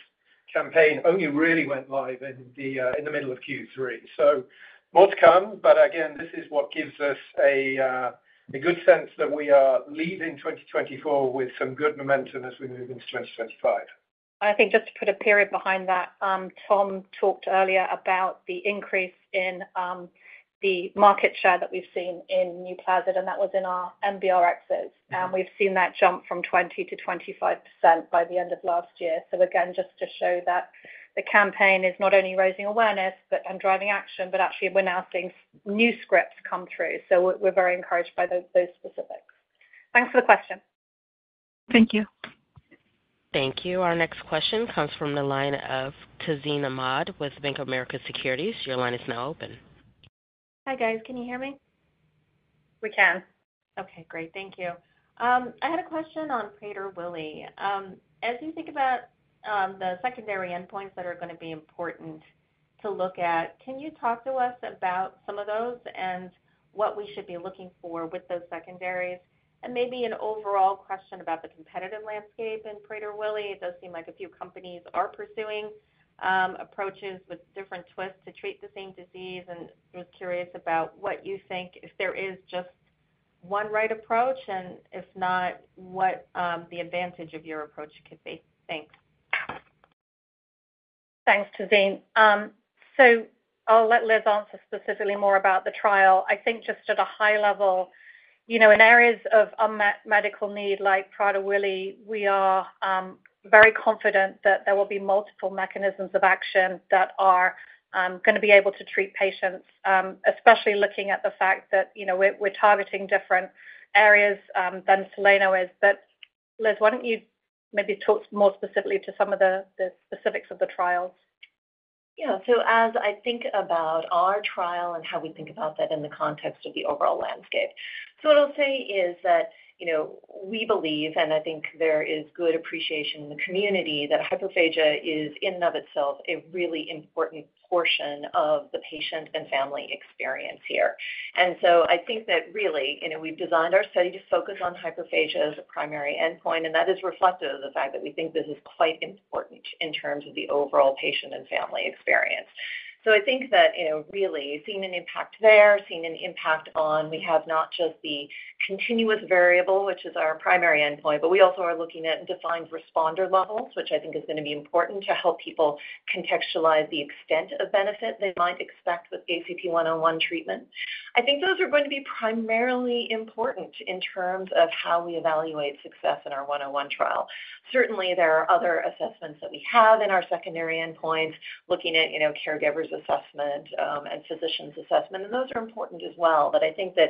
campaign only really went live in the middle of Q3. So more to come, but again, this is what gives us a good sense that we are leaving 2024 with some good momentum as we move into 2025. I think just to put a period behind that, Tom talked earlier about the increase in the market share that we've seen in Nuplazid, and that was in our NBR exits. And we've seen that jump from 20%-25% by the end of last year. So again, just to show that the campaign is not only raising awareness and driving action, but actually we're now seeing new scripts come through. So we're very encouraged by those specifics. Thanks for the question. Thank you. Thank you. Our next question comes from the line of Tazeen Ahmad with Bank of America Securities. Your line is now open. Hi, guys. Can you hear me? We can. Okay, great. Thank you. I had a question on Prader-Willi. As you think about the secondary endpoints that are going to be important to look at, can you talk to us about some of those and what we should be looking for with those secondaries? And maybe an overall question about the competitive landscape in Prader-Willi. It does seem like a few companies are pursuing approaches with different twists to treat the same disease. I was curious about what you think if there is just one right approach, and if not, what the advantage of your approach could be. Thanks. Thanks, Tazeen. So I'll let Liz answer specifically more about the trial. I think just at a high level, in areas of unmet medical need like Prader-Willi, we are very confident that there will be multiple mechanisms of action that are going to be able to treat patients, especially looking at the fact that we're targeting different areas than Soleno is. But Liz, why don't you maybe talk more specifically to some of the specifics of the trials? Yeah. As I think about our trial and how we think about that in the context of the overall landscape, so what I'll say is that we believe, and I think there is good appreciation in the community, that hyperphagia is in and of itself a really important portion of the patient and family experience here. I think that really we've designed our study to focus on hyperphagia as a primary endpoint, and that is reflective of the fact that we think this is quite important in terms of the overall patient and family experience. So, I think that really seeing an impact there, seeing an impact on we have not just the continuous variable, which is our primary endpoint, but we also are looking at defined responder levels, which I think is going to be important to help people contextualize the extent of benefit they might expect with ACP-101 treatment. I think those are going to be primarily important in terms of how we evaluate success in our 101 trial. Certainly, there are other assessments that we have in our secondary endpoints, looking at caregivers' assessment and physicians' assessment, and those are important as well. But I think that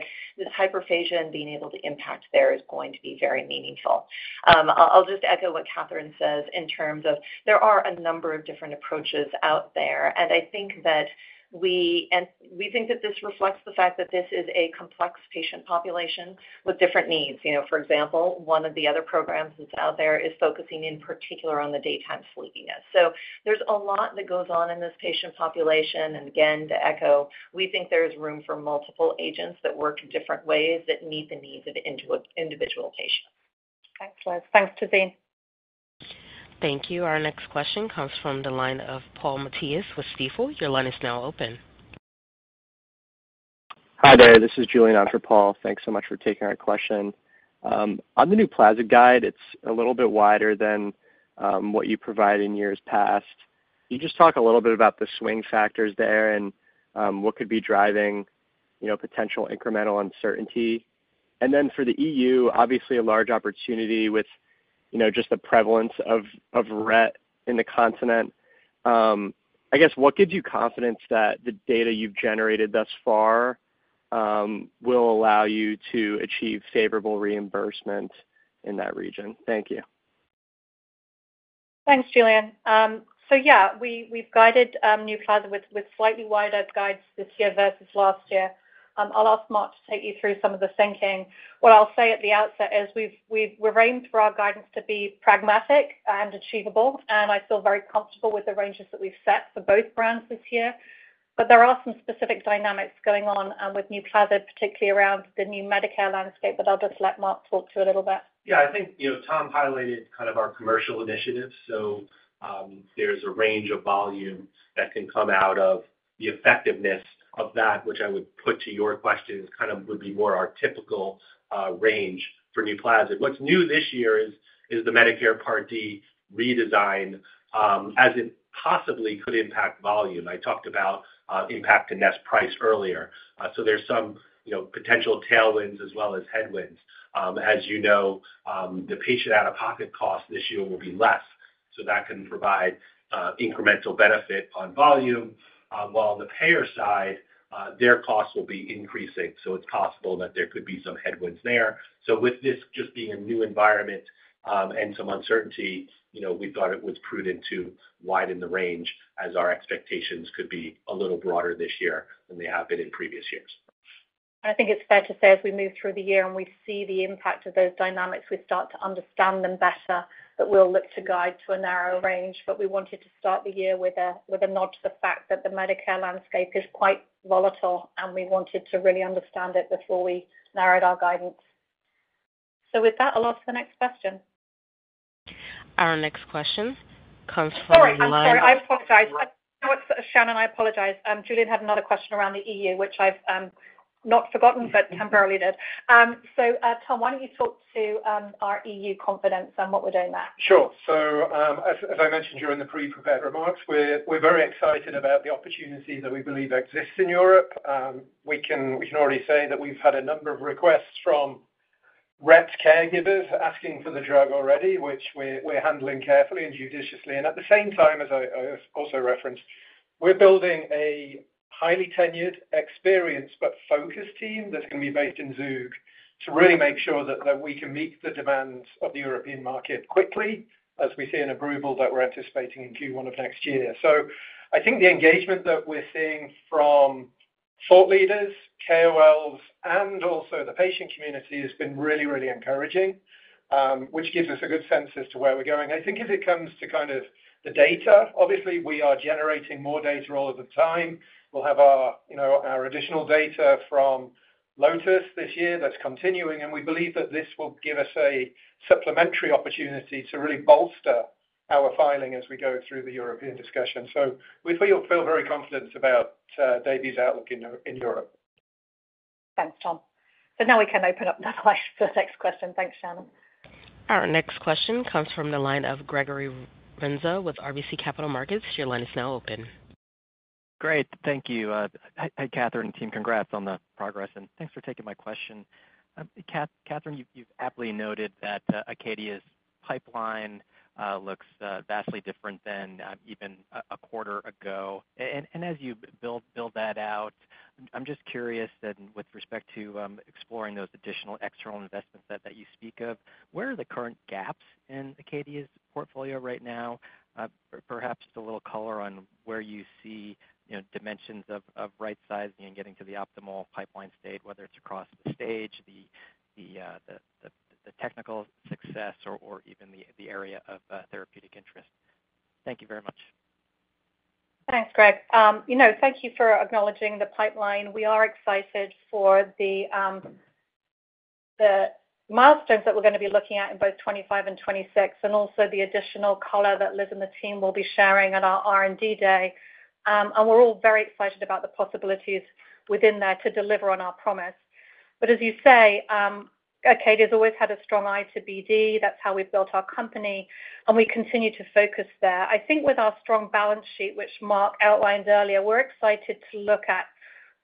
hyperphagia and being able to impact there is going to be very meaningful. I'll just echo what Catherine says in terms of there are a number of different approaches out there. And I think that we think that this reflects the fact that this is a complex patient population with different needs. For example, one of the other programs that's out there is focusing in particular on the daytime sleepiness. So there's a lot that goes on in this patient population. And again, to echo, we think there's room for multiple agents that work in different ways that meet the needs of individual patients. Thanks, Liz. Thanks, Tazeen. Thank you. Our next question comes from the line of Paul Matteis with Stifel. Your line is now open. Hi, there. This is Julien on for Paul. Thanks so much for taking our question. On the Nuplazid guide, it's a little bit wider than what you provided in years past. You just talk a little bit about the swing factors there and what could be driving potential incremental uncertainty. Then for the EU, obviously a large opportunity with just the prevalence of Rett in the continent. I guess, what gives you confidence that the data you've generated thus far will allow you to achieve favorable reimbursement in that region? Thank you. Thanks, Julien. Yeah, we've guided Nuplazid with slightly wider guidance this year versus last year. I'll ask Mark to take you through some of the thinking. What I'll say at the outset is we've framed for our guidance to be pragmatic and achievable, and I feel very comfortable with the ranges that we've set for both brands this year. But there are some specific dynamics going on with Nuplazid, particularly around the new Medicare landscape, but I'll just let Mark talk to you a little bit. Yeah, I think Tom highlighted kind of our commercial initiative. So there's a range of volume that can come out of the effectiveness of that, which I would put to your question as kind of would be more our typical range for Nuplazid. What's new this year is the Medicare Part D redesign as it possibly could impact volume. I talked about impact to net price earlier. So there's some potential tailwinds as well as headwinds. As you know, the patient out-of-pocket cost this year will be less. So that can provide incremental benefit on volume. While on the payer side, their costs will be increasing. So it's possible that there could be some headwinds there. So with this just being a new environment and some uncertainty, we thought it was prudent to widen the range as our expectations could be a little broader this year than they have been in previous years. I think it's fair to say as we move through the year and we see the impact of those dynamics, we start to understand them better, that we'll look to guide to a narrow range. But we wanted to start the year with a nod to the fact that the Medicare landscape is quite volatile, and we wanted to really understand it before we narrowed our guidance. So with that, I'll ask the next question. Our next question comes from the line of. Sorry, I apologize. Shannon, I apologize. Julien had another question around the EU, which I've not forgotten, but temporarily did. So Tom, why don't you talk to our EU confidence and what we're doing there? Sure. So as I mentioned during the pre-prepared remarks, we're very excited about the opportunity that we believe exists in Europe. We can already say that we've had a number of requests from Rett caregivers asking for the drug already, which we're handling carefully and judiciously. And at the same time, as I also referenced, we're building a highly tenured, experienced, but focused team that's going to be based in Zug to really make sure that we can meet the demands of the European market quickly, as we see an approval that we're anticipating in Q1 of next year. So I think the engagement that we're seeing from thought leaders, KOLs, and also the patient community has been really, really encouraging, which gives us a good sense as to where we're going. I think as it comes to kind of the data, obviously, we are generating more data all of the time. We'll have our additional data from LOTUS this year that's continuing, and we believe that this will give us a supplementary opportunity to really bolster our filing as we go through the European discussion. So we feel very confident about Daybue's outlook in Europe. Thanks, Tom. So now we can open up the floor for the next question. Thanks, Shannon. Our next question comes from the line of Gregory Renza with RBC Capital Markets. Your line is now open. Great. Thank you. Hey, Catherine and team, congrats on the progress, and thanks for taking my question. Catherine, you've aptly noted that Acadia's pipeline looks vastly different than even a quarter ago. As you build that out, I'm just curious with respect to exploring those additional external investments that you speak of, where are the current gaps in Acadia's portfolio right now? Perhaps a little color on where you see dimensions of right sizing and getting to the optimal pipeline state, whether it's across the stage, the technical success, or even the area of therapeutic interest. Thank you very much. Thanks, Greg. Thank you for acknowledging the pipeline. We are excited for the milestones that we're going to be looking at in both 2025 and 2026, and also the additional color that Liz and the team will be sharing on our R&D day. And we're all very excited about the possibilities within there to deliver on our promise. But as you say, Acadia has always had a strong eye to BD. That's how we've built our company, and we continue to focus there. I think with our strong balance sheet, which Mark outlined earlier, we're excited to look at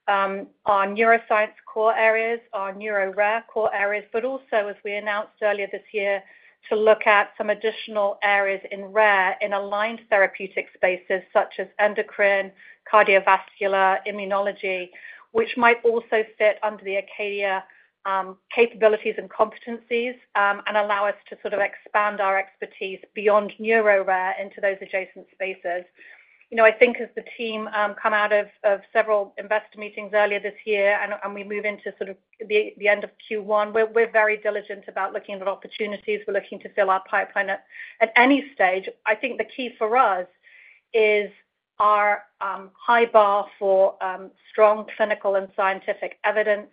our neuroscience core areas, our neuro-rare core areas, but also, as we announced earlier this year, to look at some additional areas in rare in aligned therapeutic spaces such as endocrine, cardiovascular, immunology, which might also fit under the Acadia capabilities and competencies and allow us to sort of expand our expertise beyond neuro-rare into those adjacent spaces. I think as the team come out of several investor meetings earlier this year and we move into sort of the end of Q1, we're very diligent about looking at opportunities. We're looking to fill our pipeline at any stage. I think the key for us is our high bar for strong clinical and scientific evidence,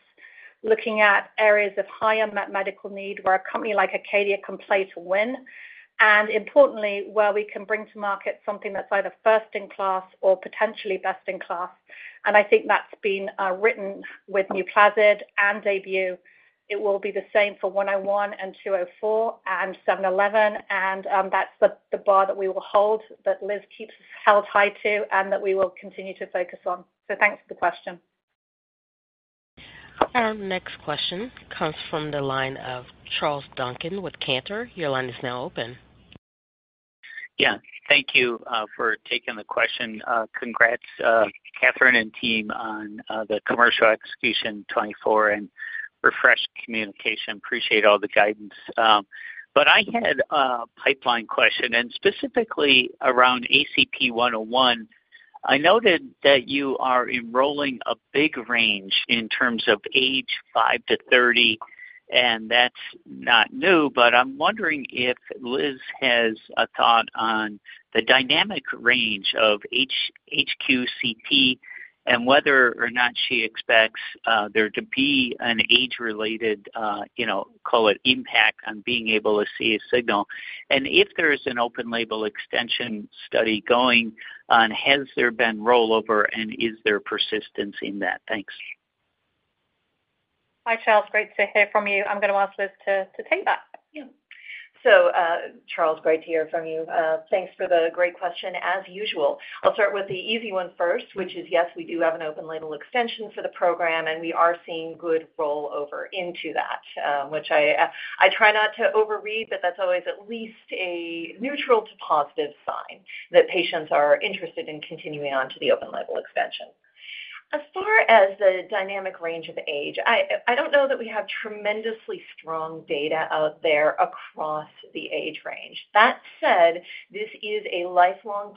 looking at areas of higher medical need where a company like Acadia can play to win, and importantly, where we can bring to market something that's either first in class or potentially best in class. And I think that's been written with Nuplazid and Daybue. It will be the same for 101 and 204 and 711, and that's the bar that we will hold, that Liz keeps us held high to, and that we will continue to focus on. So thanks for the question. Our next question comes from the line of Charles Duncan with Cantor. Your line is now open. Yeah. Thank you for taking the question. Congrats, Catherine and team, on the commercial execution 2024 and refreshed communication. Appreciate all the guidance. But I had a pipeline question, and specifically around ACP-101. I noted that you are enrolling a big range in terms of age 5 to 30, and that's not new, but I'm wondering if Liz has a thought on the dynamic range of the HQ-CT and whether or not she expects there to be an age-related, call it impact, on being able to see a signal. And if there is an open label extension study going on, has there been rollover, and is there persistence in that? Thanks. Hi, Charles. Great to hear from you. I'm going to ask Liz to take that. Yeah. So Charles, great to hear from you. Thanks for the great question, as usual. I'll start with the easy one first, which is, yes, we do have an open label extension for the program, and we are seeing good rollover into that, which I try not to overread, but that's always at least a neutral to positive sign that patients are interested in continuing on to the open label extension. As far as the dynamic range of age, I don't know that we have tremendously strong data out there across the age range. That said, this is a lifelong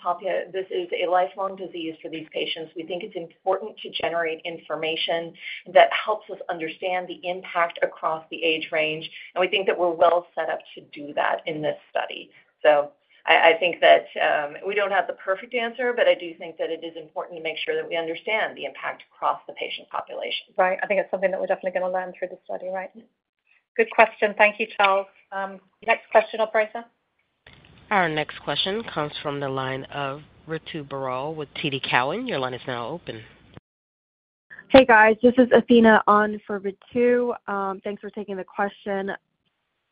disease for these patients. We think it's important to generate information that helps us understand the impact across the age range, and we think that we're well set up to do that in this study. So I think that we don't have the perfect answer, but I do think that it is important to make sure that we understand the impact across the patient population. Right. I think it's something that we're definitely going to learn through the study, right? Good question. Thank you, Charles. Next question, Operator. Our next question comes from the line of Ritu Baral with TD Cowen. Your line is now open. Hey, guys. This is Athena on for Ritu. Thanks for taking the question.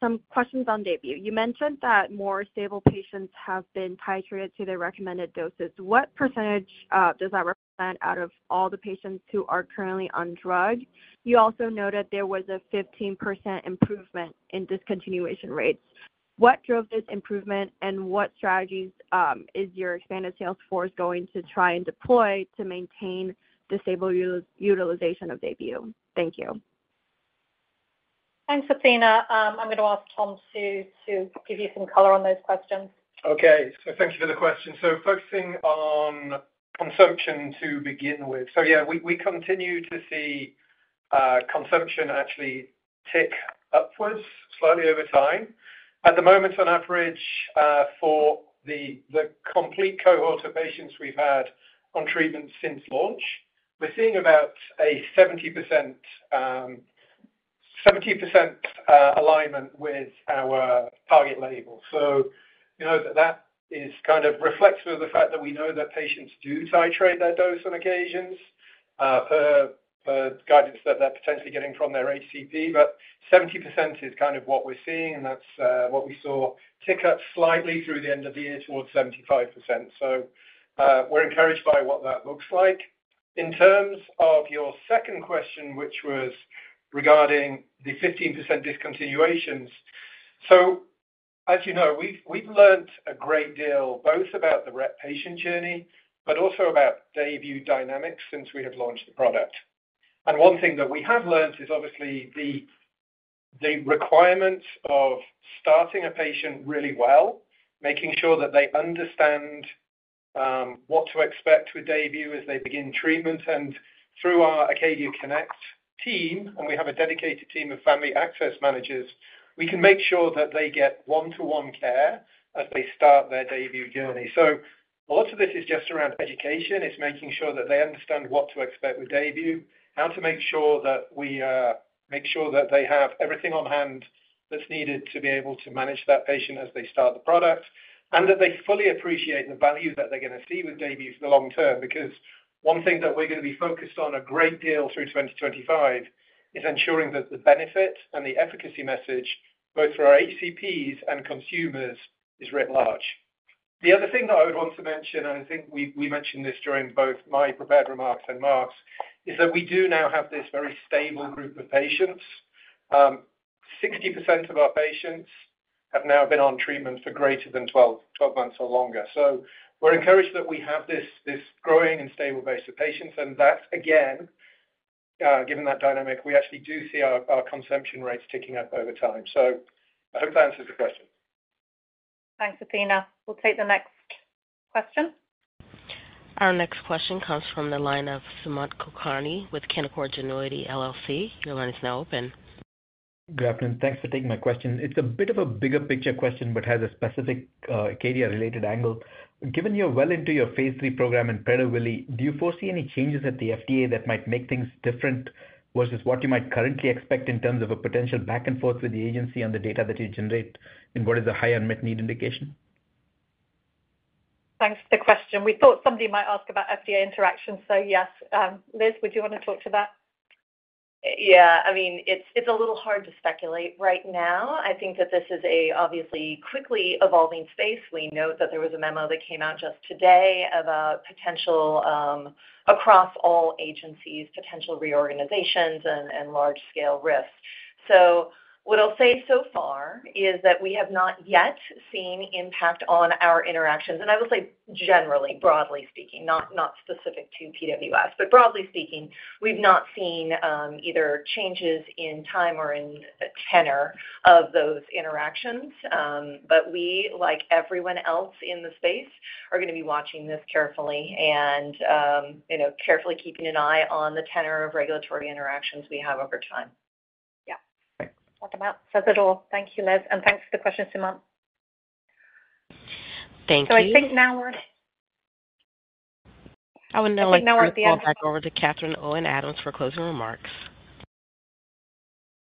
Some questions on Daybue. You mentioned that more stable patients have been titrated to their recommended doses. What percentage does that represent out of all the patients who are currently on drug? You also noted there was a 15% improvement in discontinuation rates. What drove this improvement, and what strategies is your expanded sales force going to try and deploy to maintain durable utilization of Daybue? Thank you. Thanks, Athena. I'm going to ask Tom to give you some color on those questions. Okay. So thank you for the question. So focusing on consumption to begin with. So yeah, we continue to see consumption actually tick upwards slightly over time. At the moment, on average, for the complete cohort of patients we've had on treatment since launch, we're seeing about a 70% alignment with our target label. So that is kind of reflective of the fact that we know that patients do titrate their dose on occasions per guidance that they're potentially getting from their HCP. But 70% is kind of what we're seeing, and that's what we saw tick up slightly through the end of the year towards 75%. So we're encouraged by what that looks like. In terms of your second question, which was regarding the 15% discontinuations, so as you know, we've learned a great deal both about the Rett patient journey, but also about Daybue dynamics since we have launched the product. One thing that we have learned is obviously the requirements of starting a patient really well, making sure that they understand what to expect with Daybue as they begin treatment. Through our Acadia Connect team, and we have a dedicated team of family access managers, we can make sure that they get one-to-one care as they start their Daybue journey. A lot of this is just around education. It's making sure that they understand what to expect with Daybue, how to make sure that we make sure that they have everything on hand that's needed to be able to manage that patient as they start the product, and that they fully appreciate the value that they're going to see with Daybue for the long term. Because one thing that we're going to be focused on a great deal through 2025 is ensuring that the benefit and the efficacy message, both for our HCPs and consumers, is writ large. The other thing that I would want to mention, and I think we mentioned this during both my prepared remarks and Mark's, is that we do now have this very stable group of patients. 60% of our patients have now been on treatment for greater than 12 months or longer. So we're encouraged that we have this growing and stable base of patients. And that, again, given that dynamic, we actually do see our consumption rates ticking up over time. So I hope that answers the question. Thanks, Athena. We'll take the next question. Our next question comes from the line of Sumant Kulkarni with Canaccord Genuity. Your line is now open. Good afternoon. Thanks for taking my question. It's a bit of a bigger picture question, but has a specific Acadia-related angle. Given you're well into your phase III program and Prader-Willi, do you foresee any changes at the FDA that might make things different versus what you might currently expect in terms of a potential back and forth with the agency on the data that you generate in what is a high unmet need indication? Thanks for the question. We thought somebody might ask about FDA interaction. So yes. Liz, would you want to talk to that? Yeah. I mean, it's a little hard to speculate right now. I think that this is an obviously quickly evolving space. We know that there was a memo that came out just today about potential across all agencies, potential reorganizations, and large-scale risks. So what I'll say so far is that we have not yet seen impact on our interactions. And I will say generally, broadly speaking, not specific to PWS, but broadly speaking, we've not seen either changes in time or in tenor of those interactions. But we, like everyone else in the space, are going to be watching this carefully and carefully keeping an eye on the tenor of regulatory interactions we have over time. Yeah. That's about it. Thank you, Liz. And thanks for the question, Sumant. Thank you. So I think now I would like to call back over to Catherine Owen Adams for closing remarks.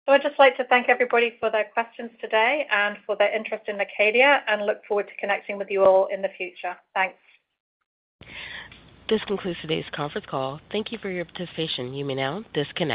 So I'd just like to thank everybody for their questions today and for their interest in Acadia, and look forward to connecting with you all in the future. Thanks. This concludes today's conference call. Thank you for your participation. You may now disconnect.